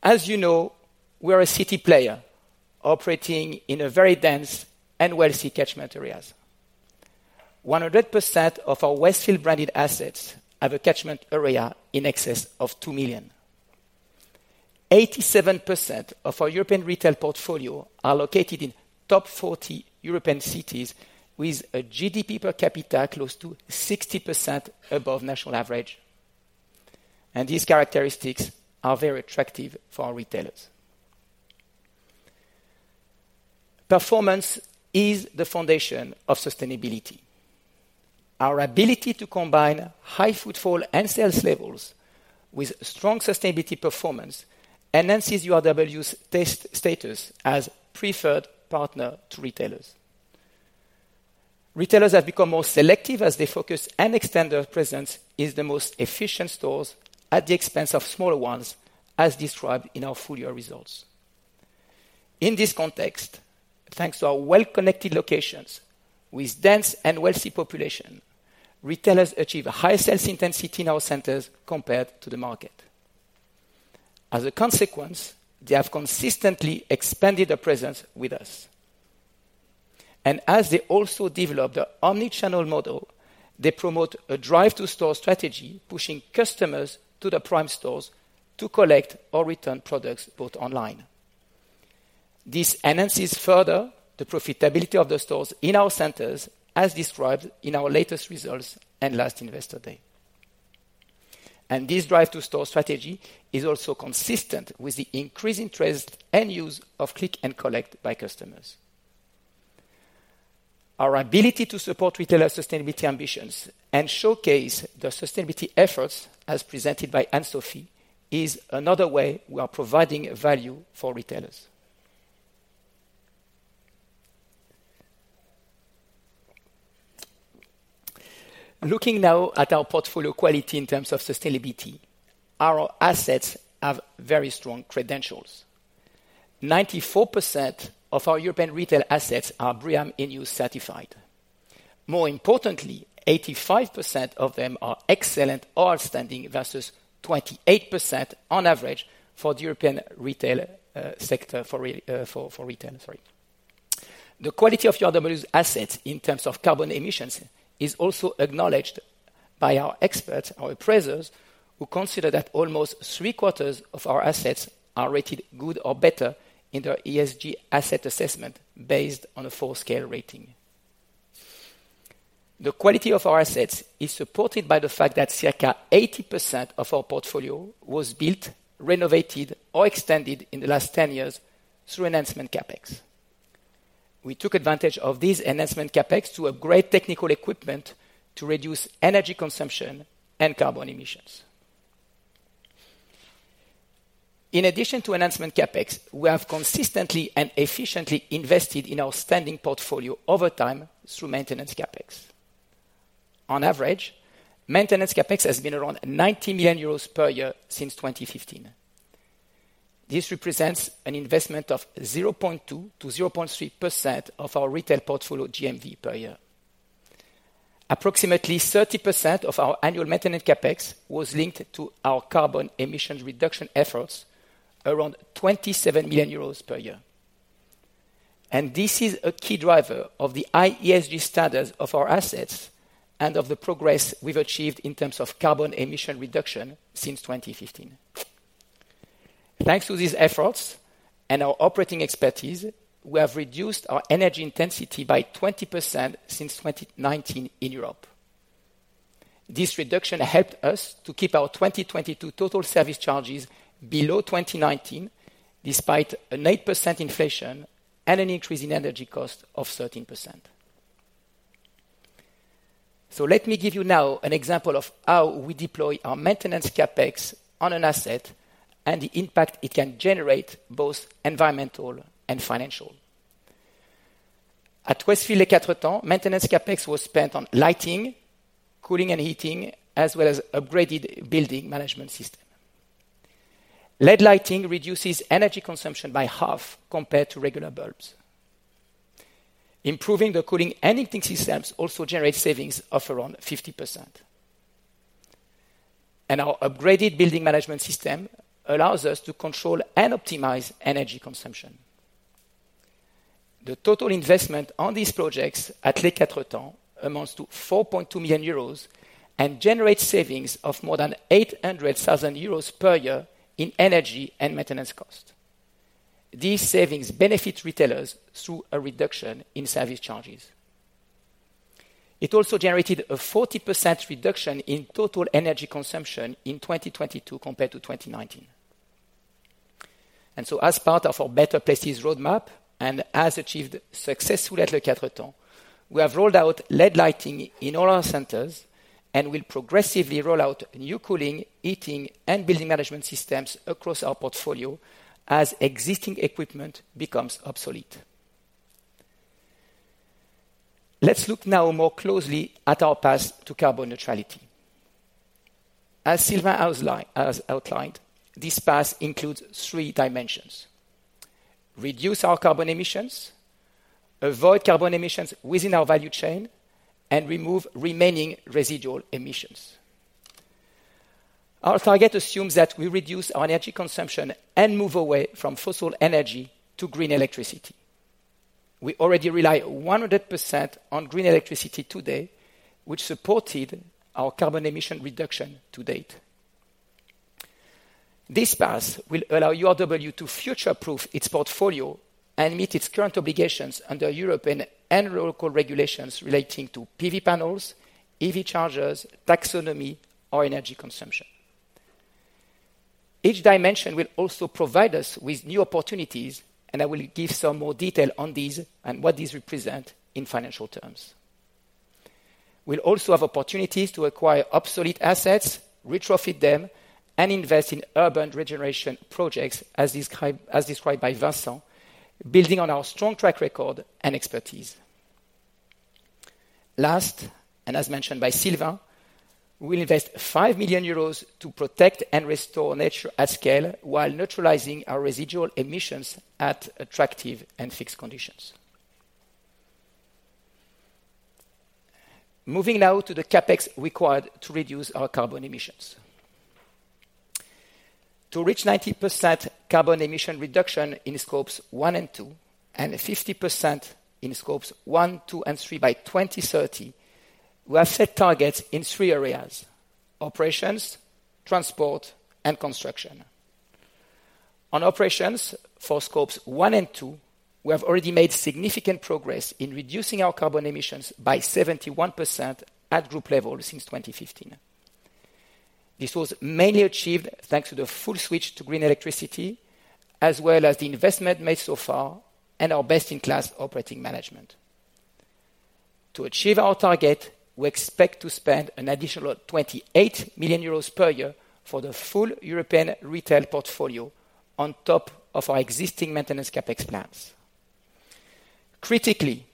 As you know, we are a city player operating in very dense and wealthy catchment areas. 100% of our Westfield branded assets have a catchment area in excess of 2 million. 87% of our European retail portfolio are located in top 40 European cities, with a GDP per capita close to 60% above national average. These characteristics are very attractive for our retailers. Performance is the foundation of sustainability. Our ability to combine high footfall and sales levels with strong sustainability performance enhances URW's status as preferred partner to retailers. Retailers have become more selective as they focus and extend their presence in the most efficient stores at the expense of smaller ones, as described in our full year results. In this context, thanks to our well-connected locations with dense and wealthy population, retailers achieve a higher sales intensity in our centers compared to the market. As a consequence, they have consistently expanded their presence with us. And as they also develop their omni-channel model, they promote a drive-to-store strategy, pushing customers to the prime stores to collect or return products bought online. This enhances further the profitability of the stores in our centers, as described in our latest results and last investor day. And this drive-to-store strategy is also consistent with the increasing interest and use of click and collect by customers. Our ability to support retailer sustainability ambitions and showcase their sustainability efforts, as presented by Anne-Sophie, is another way we are providing value for retailers. Looking now at our portfolio quality in terms of sustainability, our assets have very strong credentials. 94% of our European retail assets are BREEAM In-Use certified. More importantly, 85% of them are excellent or outstanding, versus 28% on average for the European retail sector. The quality of URW's assets in terms of carbon emissions is also acknowledged by our experts, our appraisers, who consider that almost three-quarters of our assets are rated good or better in their ESG asset assessment, based on a four-scale rating. The quality of our assets is supported by the fact that circa 80% of our portfolio was built, renovated, or extended in the last 10 years through enhancement CapEx. We took advantage of this enhancement CapEx to upgrade technical equipment to reduce energy consumption and carbon emissions. In addition to enhancement CapEx, we have consistently and efficiently invested in our standing portfolio over time through maintenance CapEx. On average, maintenance CapEx has been around 90 million euros per year since 2015. This represents an investment of 0.2%-0.3% of our retail portfolio GMV per year. Approximately 30% of our annual maintenance CapEx was linked to our carbon emission reduction efforts, around 27 million euros per year. This is a key driver of the ESG standards of our assets and of the progress we've achieved in terms of carbon emission reduction since 2015. Thanks to these efforts and our operating expertise, we have reduced our energy intensity by 20% since 2019 in Europe. This reduction helped us to keep our 2022 total service charges below 2019, despite an 8% inflation and an increase in energy cost of 13%. So let me give you now an example of how we deploy our maintenance CapEx on an asset and the impact it can generate, both environmental and financial. At Westfield Les Quatre Temps, maintenance CapEx was spent on lighting, cooling, and heating, as well as upgraded building management system. LED lighting reduces energy consumption by half compared to regular bulbs. Improving the cooling and heating systems also generates savings of around 50%. Our upgraded building management system allows us to control and optimize energy consumption. The total investment on these projects at Les Quatre Temps amounts to 4.2 million euros and generates savings of more than 800,000 euros per year in energy and maintenance cost. These savings benefit retailers through a reduction in service charges. It also generated a 40% reduction in total energy consumption in 2022 compared to 2019. As part of our Better Places roadmap, and as achieved successfully at Les Quatre Temps, we have rolled out LED lighting in all our centers and will progressively roll out new cooling, heating, and building management systems across our portfolio as existing equipment becomes obsolete. Let's look now more closely at our path to carbon neutrality. As Sylvain has outlined, this path includes three dimensions: reduce our carbon emissions, avoid carbon emissions within our value chain, and remove remaining residual emissions. Our target assumes that we reduce our energy consumption and move away from fossil energy to green electricity. We already rely 100% on green electricity today, which supported our carbon emission reduction to date. This path will allow URW to future-proof its portfolio and meet its current obligations under European and local regulations relating to PV panels, EV chargers, taxonomy, or energy consumption. Each dimension will also provide us with new opportunities, and I will give some more detail on these and what these represent in financial terms. We'll also have opportunities to acquire obsolete assets, retrofit them, and invest in urban regeneration projects, as described by Vincent, building on our strong track record and expertise. Last, and as mentioned by Sylvain, we'll invest 5 million euros to protect and restore nature at scale, while neutralizing our residual emissions at attractive and fixed conditions. Moving now to the CapEx required to reduce our carbon emissions. To reach 90% carbon emission reduction in Scopes 1 and 2, and 50% in Scopes 1, 2, and 3 by 2030, we have set targets in three areas: operations, transport, and construction. On operations for Scopes 1 and 2, we have already made significant progress in reducing our carbon emissions by 71% at group level since 2015. This was mainly achieved thanks to the full switch to green electricity, as well as the investment made so far and our best-in-class operating management. To achieve our target, we expect to spend an additional 28 million euros per year for the full European retail portfolio on top of our existing maintenance CapEx plans. Critically,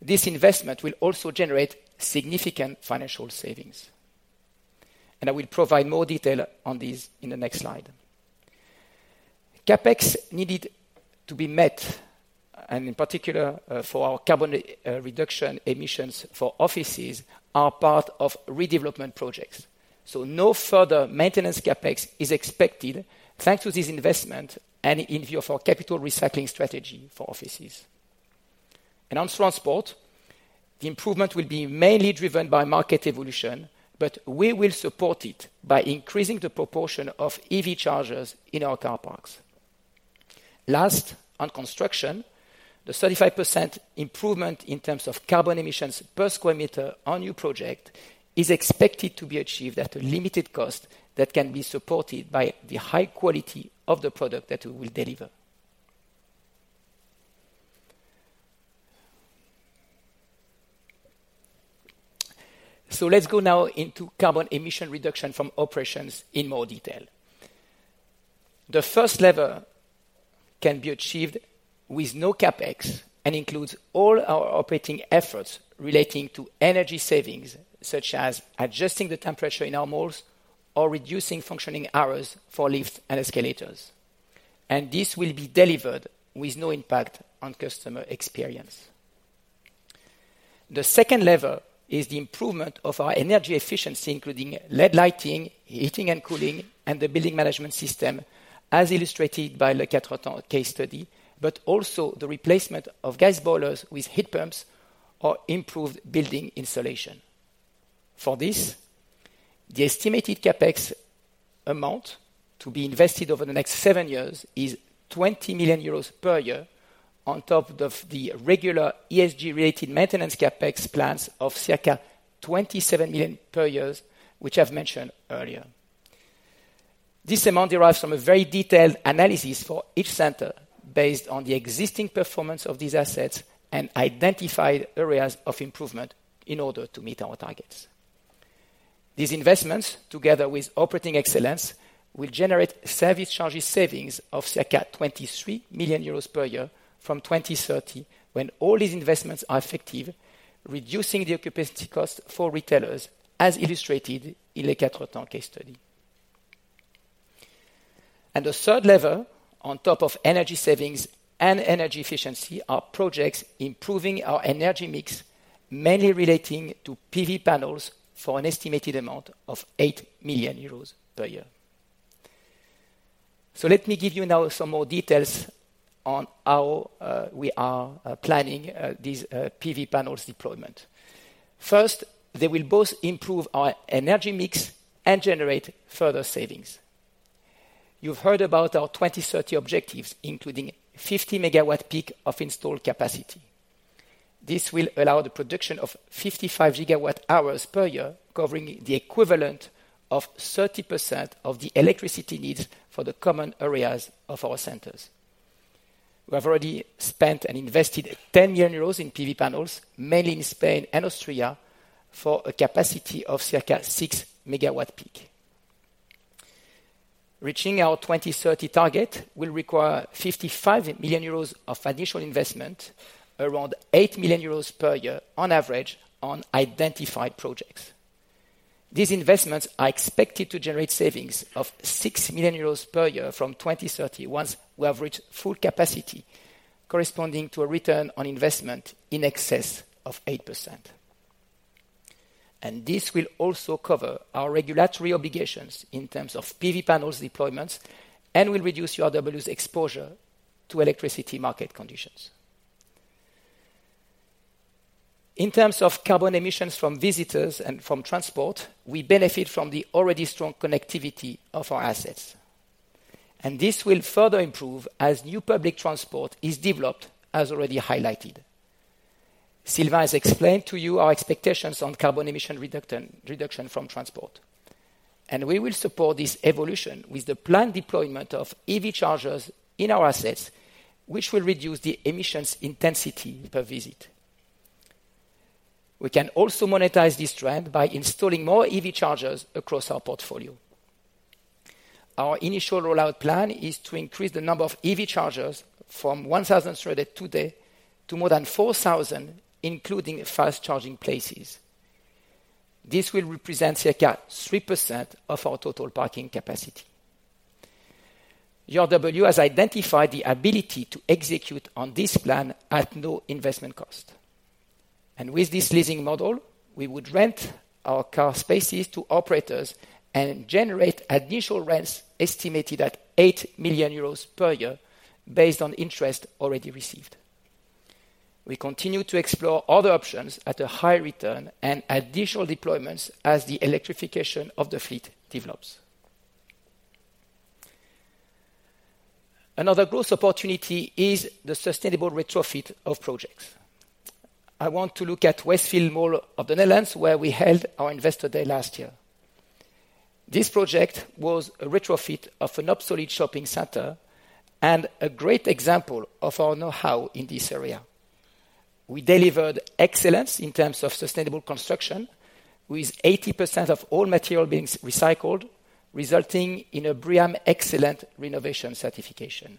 this investment will also generate significant financial savings, and I will provide more detail on these in the next slide. CapEx needed to be met, and in particular, for our carbon, reduction emissions for offices, are part of redevelopment projects, so no further maintenance CapEx is expected thanks to this investment and in view of our capital recycling strategy for offices. And on transport, the improvement will be mainly driven by market evolution, but we will support it by increasing the proportion of EV chargers in our car parks. Last, on construction, the 35% improvement in terms of carbon emissions per square meter on new project is expected to be achieved at a limited cost that can be supported by the high quality of the product that we will deliver. So let's go now into carbon emission reduction from operations in more detail. The first level can be achieved with no CapEx and includes all our operating efforts relating to energy savings, such as adjusting the temperature in our malls or reducing functioning hours for lifts and escalators, and this will be delivered with no impact on customer experience. The second level is the improvement of our energy efficiency, including LED lighting, heating and cooling, and the building management system, as illustrated by Les Quatre Temps case study, but also the replacement of gas boilers with heat pumps or improved building insulation. For this, the estimated CapEx amount to be invested over the next seven years is 20 million euros per year on top of the regular ESG-related maintenance CapEx plans of circa 27 million per year, which I've mentioned earlier. This amount derives from a very detailed analysis for each center, based on the existing performance of these assets and identified areas of improvement in order to meet our targets. These investments, together with operating excellence, will generate service charges savings of circa 23 million euros per year from 2030, when all these investments are effective, reducing the occupancy cost for retailers, as illustrated in Les Quatre Temps case study. The third level, on top of energy savings and energy efficiency, are projects improving our energy mix, mainly relating to PV panels for an estimated amount of 8 million euros per year. So let me give you now some more details on how we are planning these PV panels deployment. First, they will both improve our energy mix and generate further savings. You've heard about our 2030 objectives, including 50 MW peak of installed capacity. This will allow the production of 55 GWh per year, covering the equivalent of 30% of the electricity needs for the common areas of our centers. We have already spent and invested 10 million euros in PV panels, mainly in Spain and Austria, for a capacity of circa 6 MW peak. Reaching our 2030 target will require 55 million euros of additional investment, around 8 million euros per year on average, on identified projects. These investments are expected to generate savings of 6 million euros per year from 2030, once we have reached full capacity, corresponding to a return on investment in excess of 8%... and this will also cover our regulatory obligations in terms of PV panels deployments, and will reduce URW's exposure to electricity market conditions. In terms of carbon emissions from visitors and from transport, we benefit from the already strong connectivity of our assets, and this will further improve as new public transport is developed, as already highlighted. Sylvain has explained to you our expectations on carbon emission reduction from transport, and we will support this evolution with the planned deployment of EV chargers in our assets, which will reduce the emissions intensity per visit. We can also monetize this trend by installing more EV chargers across our portfolio. Our initial rollout plan is to increase the number of EV chargers from 1,000 installed today to more than 4,000, including fast-charging places. This will represent circa 3% of our total parking capacity. URW has identified the ability to execute on this plan at no investment cost, and with this leasing model, we would rent our car spaces to operators and generate additional rents, estimated at 8 million euros per year, based on interest already received. We continue to explore other options at a high return and additional deployments as the electrification of the fleet develops. Another growth opportunity is the sustainable retrofit of projects. I want to look at Westfield Mall of the Netherlands, where we held our investor day last year. This project was a retrofit of an obsolete shopping center and a great example of our know-how in this area. We delivered excellence in terms of sustainable construction, with 80% of all material being recycled, resulting in a BREEAM Excellent renovation certification.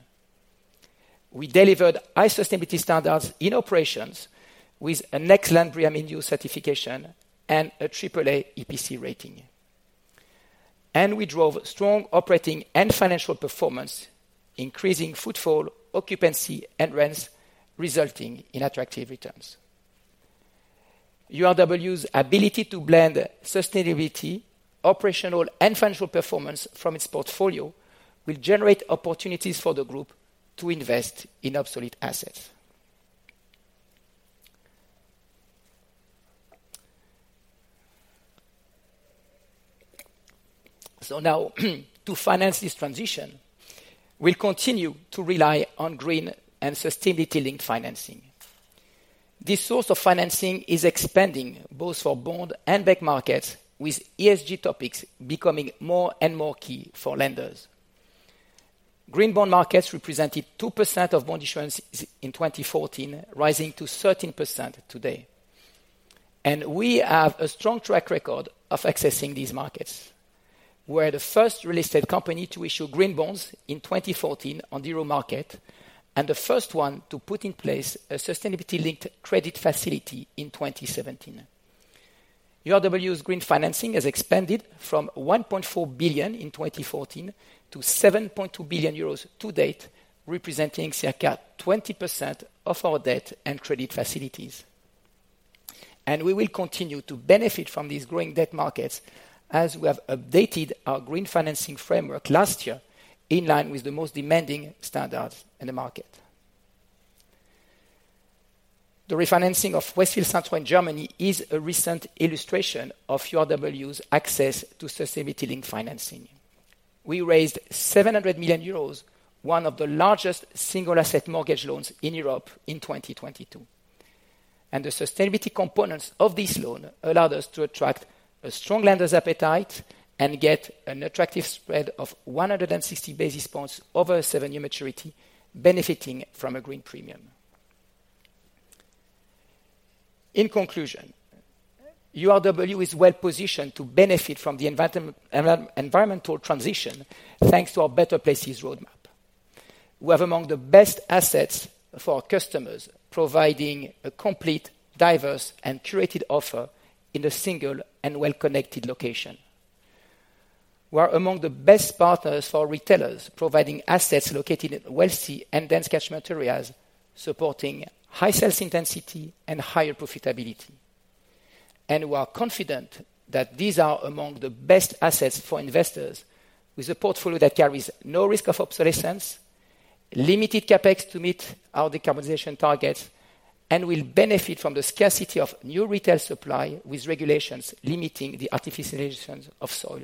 We delivered high sustainability standards in operations with an excellent BREEAM In-Use certification and an AAA EPC rating. We drove strong operating and financial performance, increasing footfall, occupancy, and rents, resulting in attractive returns. URW's ability to blend sustainability, operational, and financial performance from its portfolio will generate opportunities for the group to invest in obsolete assets. So now, to finance this transition, we'll continue to rely on green and sustainability-linked financing. This source of financing is expanding both for bond and bank markets, with ESG topics becoming more and more key for lenders. Green bond markets represented 2% of bond issuance in 2014, rising to 13% today, and we have a strong track record of accessing these markets. We're the first real estate company to issue green bonds in 2014 on the euro market, and the first one to put in place a sustainability-linked credit facility in 2017. URW's green financing has expanded from 1.4 billion in 2014 to 7.2 billion euros to date, representing circa 20% of our debt and credit facilities. We will continue to benefit from these growing debt markets as we have updated our green financing framework last year, in line with the most demanding standards in the market. The refinancing of Westfield Centro in Germany is a recent illustration of URW's access to sustainability in financing. We raised 700 million euros, one of the largest single asset mortgage loans in Europe in 2022, and the sustainability components of this loan allowed us to attract a strong lender's appetite and get an attractive spread of 160 basis points over a seven-year maturity, benefiting from a green premium. In conclusion, URW is well positioned to benefit from the environmental transition, thanks to our Better Places roadmap. We have among the best assets for our customers, providing a complete, diverse, and curated offer in a single and well-connected location. We are among the best partners for retailers, providing assets located in wealthy and dense catchment areas, supporting high sales intensity and higher profitability. We are confident that these are among the best assets for investors, with a portfolio that carries no risk of obsolescence, limited CapEx to meet our decarbonization targets, and will benefit from the scarcity of new retail supply, with regulations limiting the artificialization of soil.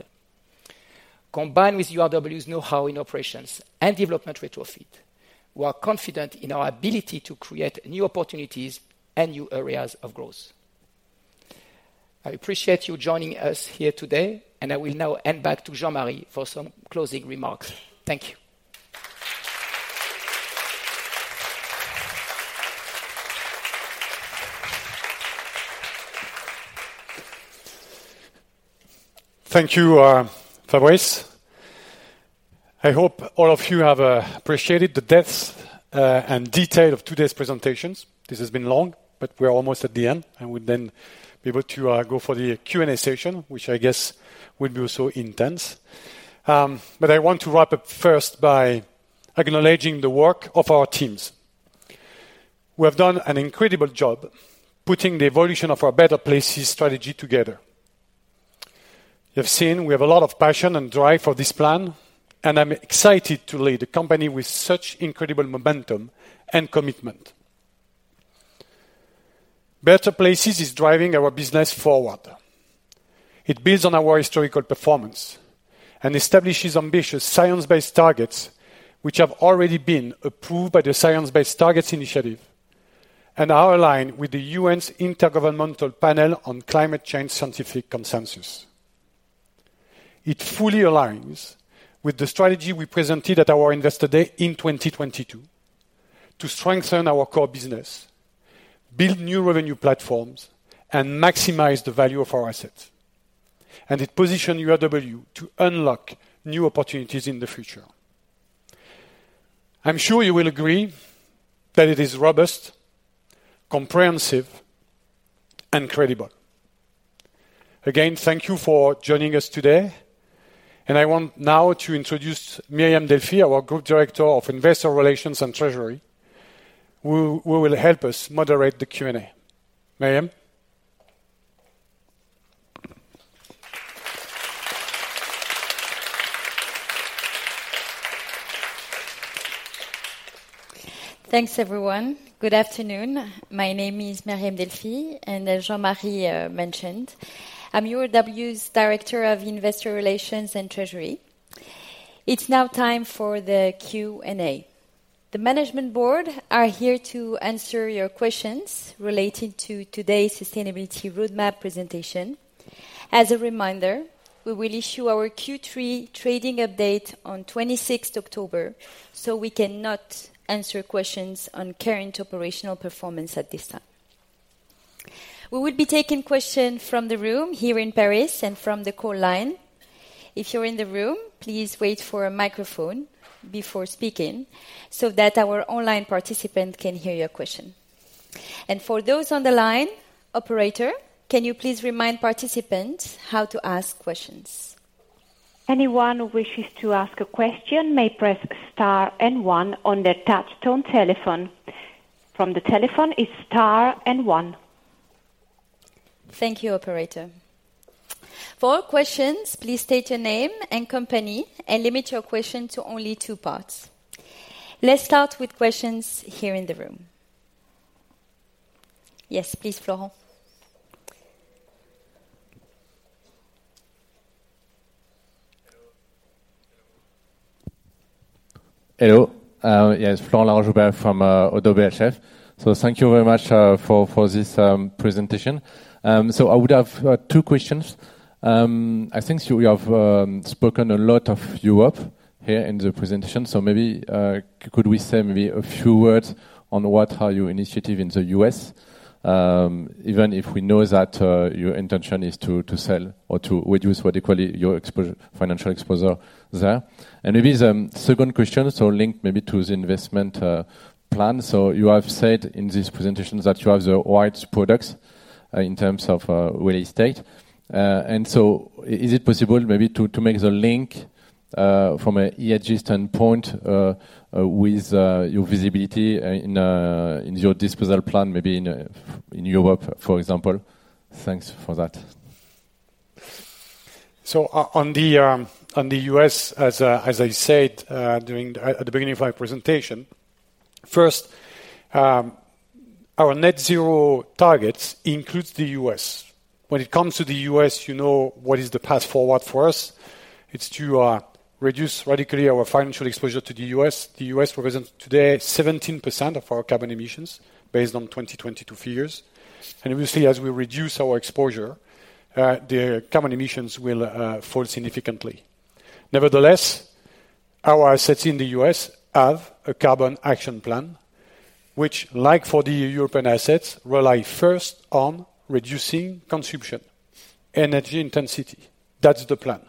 Combined with URW's know-how in operations and development retrofit, we are confident in our ability to create new opportunities and new areas of growth. I appreciate you joining us here today, and I will now hand back to Jean-Marie for some closing remarks. Thank you. Thank you, Fabrice. I hope all of you have appreciated the depth and detail of today's presentations. This has been long, but we are almost at the end, and we will then be able to go for the Q&A session, which I guess will be also intense. I want to wrap up first by acknowledging the work of our teams. We have done an incredible job putting the evolution of our Better Places strategy together. You have seen we have a lot of passion and drive for this plan, and I'm excited to lead a company with such incredible momentum and commitment. Better Places is driving our business forward. It builds on our historical performance and establishes ambitious science-based targets, which have already been approved by the Science-Based Targets initiative, and are aligned with the UN's Intergovernmental Panel on Climate Change scientific consensus. It fully aligns with the strategy we presented at our Investor Day in 2022, to strengthen our core business, build new revenue platforms, and maximize the value of our assets. And it positions URW to unlock new opportunities in the future. I'm sure you will agree that it is robust, comprehensive, and credible. Again, thank you for joining us today, and I want now to introduce Meriem Delfi, our Group Director of Investor Relations and Treasury, who will help us moderate the Q&A. Meriem? Thanks, everyone. Good afternoon. My name is Meriem Delfi, and as Jean-Marie mentioned, I'm URW's Director of Investor Relations and Treasury. It's now time for the Q&A. The management board are here to answer your questions relating to today's sustainability roadmap presentation. As a reminder, we will issue our Q3 trading update on 26th October, so we cannot answer questions on current operational performance at this time. We will be taking questions from the room here in Paris and from the call line. If you're in the room, please wait for a microphone before speaking, so that our online participants can hear your question. For those on the line, operator, can you please remind participants how to ask questions? Anyone who wishes to ask a question may press Star and One on their touch tone telephone. From the telephone, it's Star and One. Thank you, operator. For all questions, please state your name and company, and limit your question to only two parts. Let's start with questions here in the room. Yes, please, Florent. Hello. Yes, Florent Laroche-Joubert from ODDO BHF. So thank you very much for this presentation. So I would have two questions. I think you have spoken a lot of Europe here in the presentation, so maybe could we say maybe a few words on what are your initiative in the U.S., even if we know that your intention is to sell or to reduce radically your financial exposure there? And maybe the second question, so linked maybe to the investment plan. So you have said in this presentation that you have the right products in terms of real estate. So, is it possible, maybe, to make the link from an ESG standpoint with your visibility in your disposal plan, maybe in Europe, for example? Thanks for that. So on the U.S., as I said, during at the beginning of my presentation, first, our net zero targets includes the U.S.. When it comes to the U.S., you know what is the path forward for us. It's to reduce radically our financial exposure to the U.S.. The U.S. represents today 17% of our carbon emissions, based on 2022 figures. And obviously, as we reduce our exposure, the carbon emissions will fall significantly. Nevertheless, our assets in the U.S. have a carbon action plan, which, like for the European assets, rely first on reducing consumption, energy intensity. That's the plan.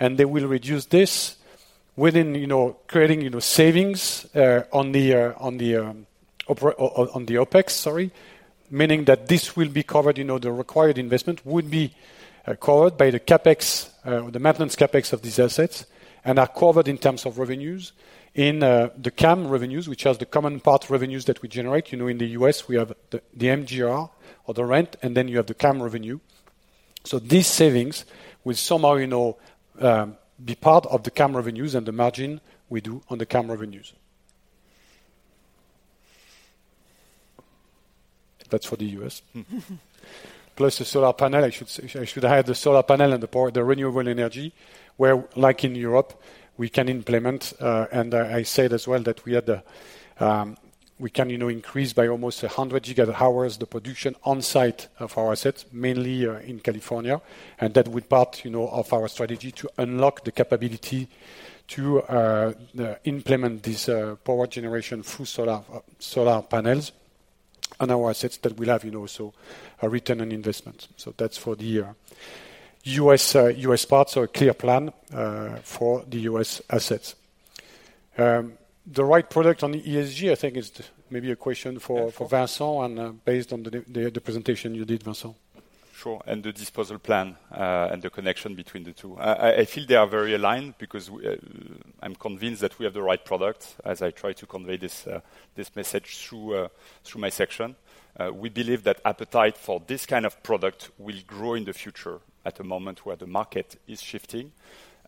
And they will reduce this within, you know, creating, you know, savings on the oper... On the OpEx, sorry, meaning that this will be covered, you know, the required investment would be covered by the CapEx, the maintenance CapEx of these assets, and are covered in terms of revenues. In the CAM revenues, which are the common part revenues that we generate, you know, in the U.S., we have the MGR or the rent, and then you have the CAM revenue. So these savings will somehow, you know, be part of the CAM revenues and the margin we do on the CAM revenues. That's for the U.S. Plus the solar panel, I should say, I should add the solar panel and the renewable energy, where, like in Europe, we can implement, and I said as well that we had the... We can, you know, increase by almost 100 GWh the production on site of our assets, mainly, in California. And that with part, you know, of our strategy to unlock the capability to implement this power generation through solar solar panels on our assets that will have, you know, so a return on investment. So that's for the year. U.S. U.S. parts are a clear plan for the U.S. assets. The right product on the ESG, I think is d- maybe a question for- Yeah... for Vincent, and based on the presentation you did, Vincent.... Sure, and the disposal plan, and the connection between the two. I feel they are very aligned because I'm convinced that we have the right product, as I tried to convey this message through my section. We believe that appetite for this kind of product will grow in the future, at a moment where the market is shifting.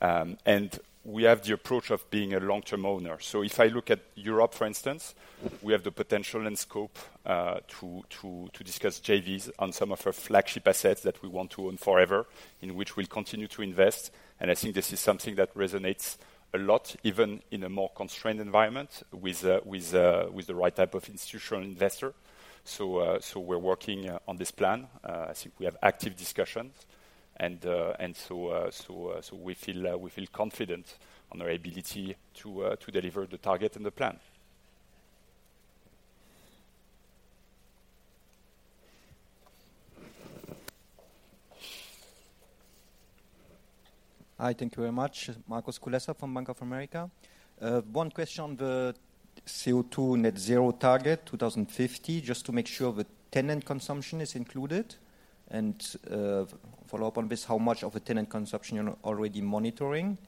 And we have the approach of being a long-term owner. So if I look at Europe, for instance, we have the potential and scope to discuss JVs on some of our flagship assets that we want to own forever, in which we'll continue to invest. And I think this is something that resonates a lot, even in a more constrained environment with the right type of institutional investor. We're working on this plan. I think we have active discussions, and so we feel confident on our ability to deliver the target and the plan. Hi, thank you very much. Markus Kulessa from Bank of America. One question, the CO2 net zero target, 2050, just to make sure the tenant consumption is included. And, follow-up on this, how much of the tenant consumption you're already monitoring?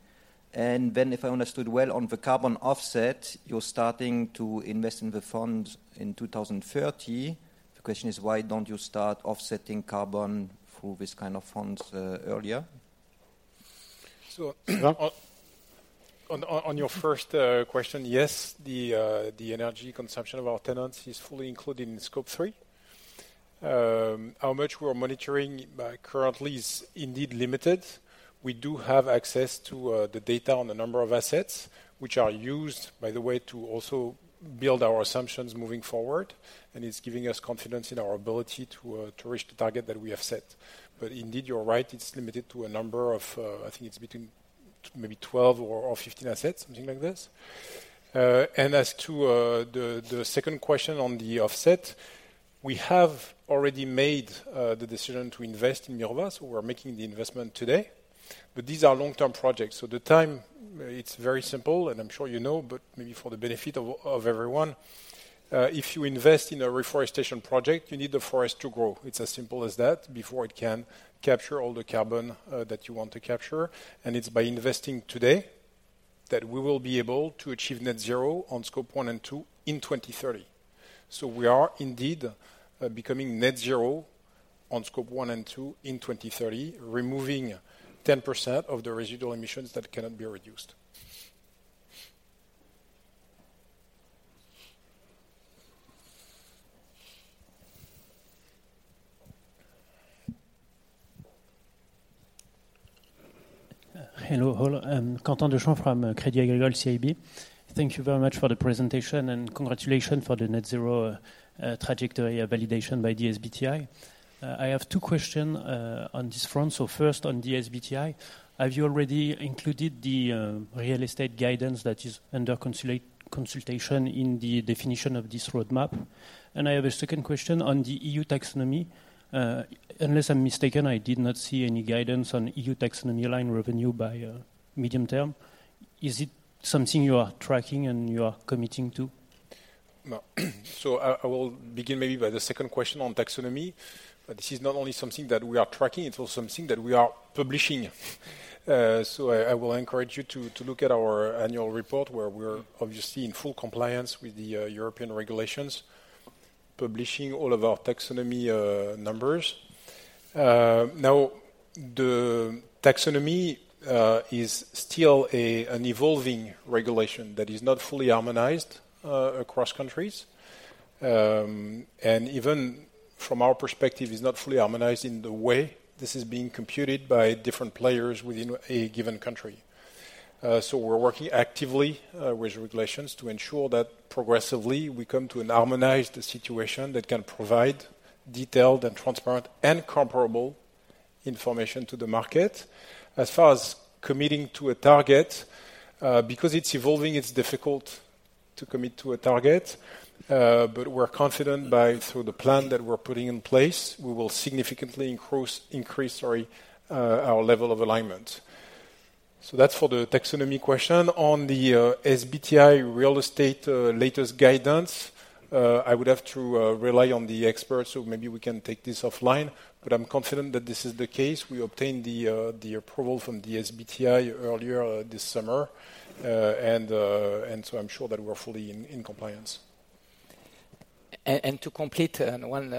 And then, if I understood well, on the carbon offset, you're starting to invest in the fund in 2030. The question is, why don't you start offsetting carbon through this kind of funds, earlier? So, on your first question, yes, the energy consumption of our tenants is fully included in Scope 3. How much we are monitoring currently is indeed limited. We do have access to the data on the number of assets, which are used, by the way, to also build our assumptions moving forward, and it's giving us confidence in our ability to reach the target that we have set. But indeed, you're right, it's limited to a number of, I think it's between maybe 12 or 15 assets, something like this. And as to the second question on the offset, we have already made the decision to invest in Mirova, so we're making the investment today. But these are long-term projects, so the time, it's very simple, and I'm sure you know, but maybe for the benefit of everyone. If you invest in a reforestation project, you need the forest to grow, it's as simple as that, before it can capture all the carbon that you want to capture. And it's by investing today that we will be able to achieve net zero on Scope 1 and 2 in 2030. So we are indeed becoming net zero on Scope 1 and 2 in 2030, removing 10% of the residual emissions that cannot be reduced. Hello, all. I'm Quentin Deschamps from Crédit Agricole CIB. Thank you very much for the presentation, and congratulations for the net zero trajectory validation by the SBTi. I have two question on this front. So first on the SBTi, have you already included the real estate guidance that is under consultation in the definition of this roadmap? And I have a second question on the EU Taxonomy. Unless I'm mistaken, I did not see any guidance on EU Taxonomy line revenue by medium term. Is it something you are tracking and you are committing to? Well, so I, I will begin maybe by the second question on taxonomy. But this is not only something that we are tracking, it's also something that we are publishing. So I, I will encourage you to, to look at our annual report, where we're obviously in full compliance with the European regulations, publishing all of our taxonomy numbers. Now, the taxonomy is still an evolving regulation that is not fully harmonized across countries. And even from our perspective, is not fully harmonized in the way this is being computed by different players within a given country. So we're working actively with regulations to ensure that progressively we come to a harmonized situation that can provide detailed and transparent and comparable information to the market. As far as committing to a target, because it's evolving, it's difficult to commit to a target. But we're confident by, through the plan that we're putting in place, we will significantly increase our level of alignment. So that's for the taxonomy question. On the SBTi real estate latest guidance, I would have to rely on the experts, so maybe we can take this offline, but I'm confident that this is the case. We obtained the approval from the SBTi earlier this summer, and so I'm sure that we're fully in compliance. And to complete, and one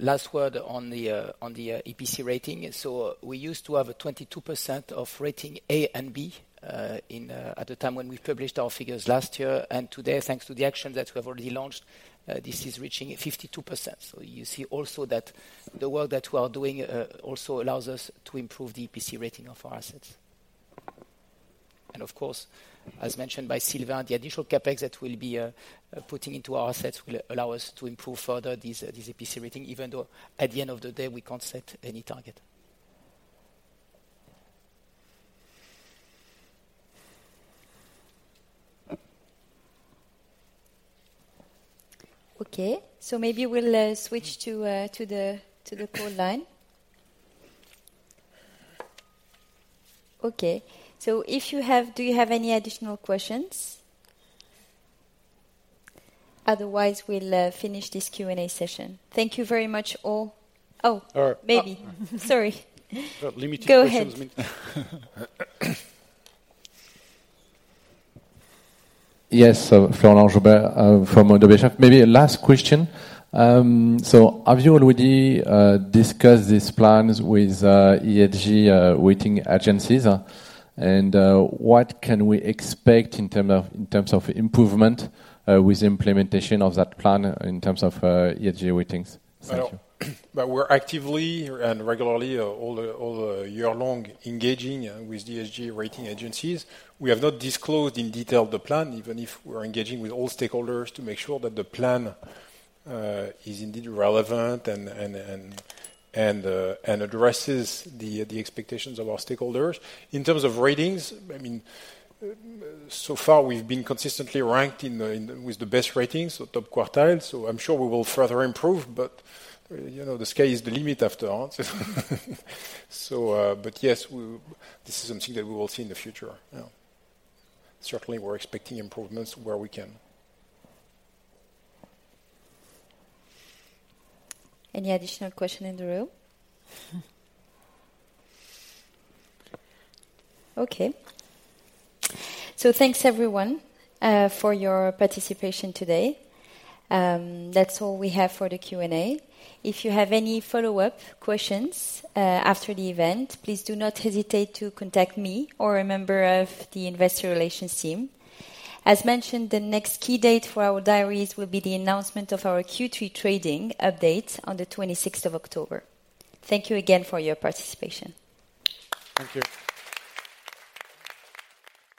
last word on the EPC rating. So we used to have 22% of rating A and B at the time when we published our figures last year. And today, thanks to the actions that we have already launched, this is reaching 52%. So you see also that the work that we are doing also allows us to improve the EPC rating of our assets. And of course, as mentioned by Sylvain, the additional CapEx that we'll be putting into our assets will allow us to improve further these EPC rating, even though, at the end of the day, we can't set any target. Okay, so maybe we'll switch to the call line.... Okay, so if you have, do you have any additional questions? Otherwise, we'll finish this Q&A session. Thank you very much all. Oh, maybe. Sorry. Limited questions. Go ahead. Yes, so Florent Laroche-Joubert from ODDO BHF. Maybe a last question. So have you already discussed these plans with ESG rating agencies? And what can we expect in terms of improvement with implementation of that plan in terms of ESG ratings? Thank you. Well, but we're actively and regularly all year long engaging with ESG rating agencies. We have not disclosed in detail the plan, even if we're engaging with all stakeholders to make sure that the plan is indeed relevant and addresses the expectations of our stakeholders. In terms of ratings, I mean, so far we've been consistently ranked in the top quartile. So I'm sure we will further improve, but, you know, the sky is the limit after all. So, but yes, this is something that we will see in the future. Yeah. Certainly, we're expecting improvements where we can. Any additional question in the room? Okay. So thanks, everyone, for your participation today. That's all we have for the Q&A. If you have any follow-up questions, after the event, please do not hesitate to contact me or a member of the investor relations team. As mentioned, the next key date for our diaries will be the announcement of our Q3 trading update on the twenty-sixth of October. Thank you again for your participation. Thank you.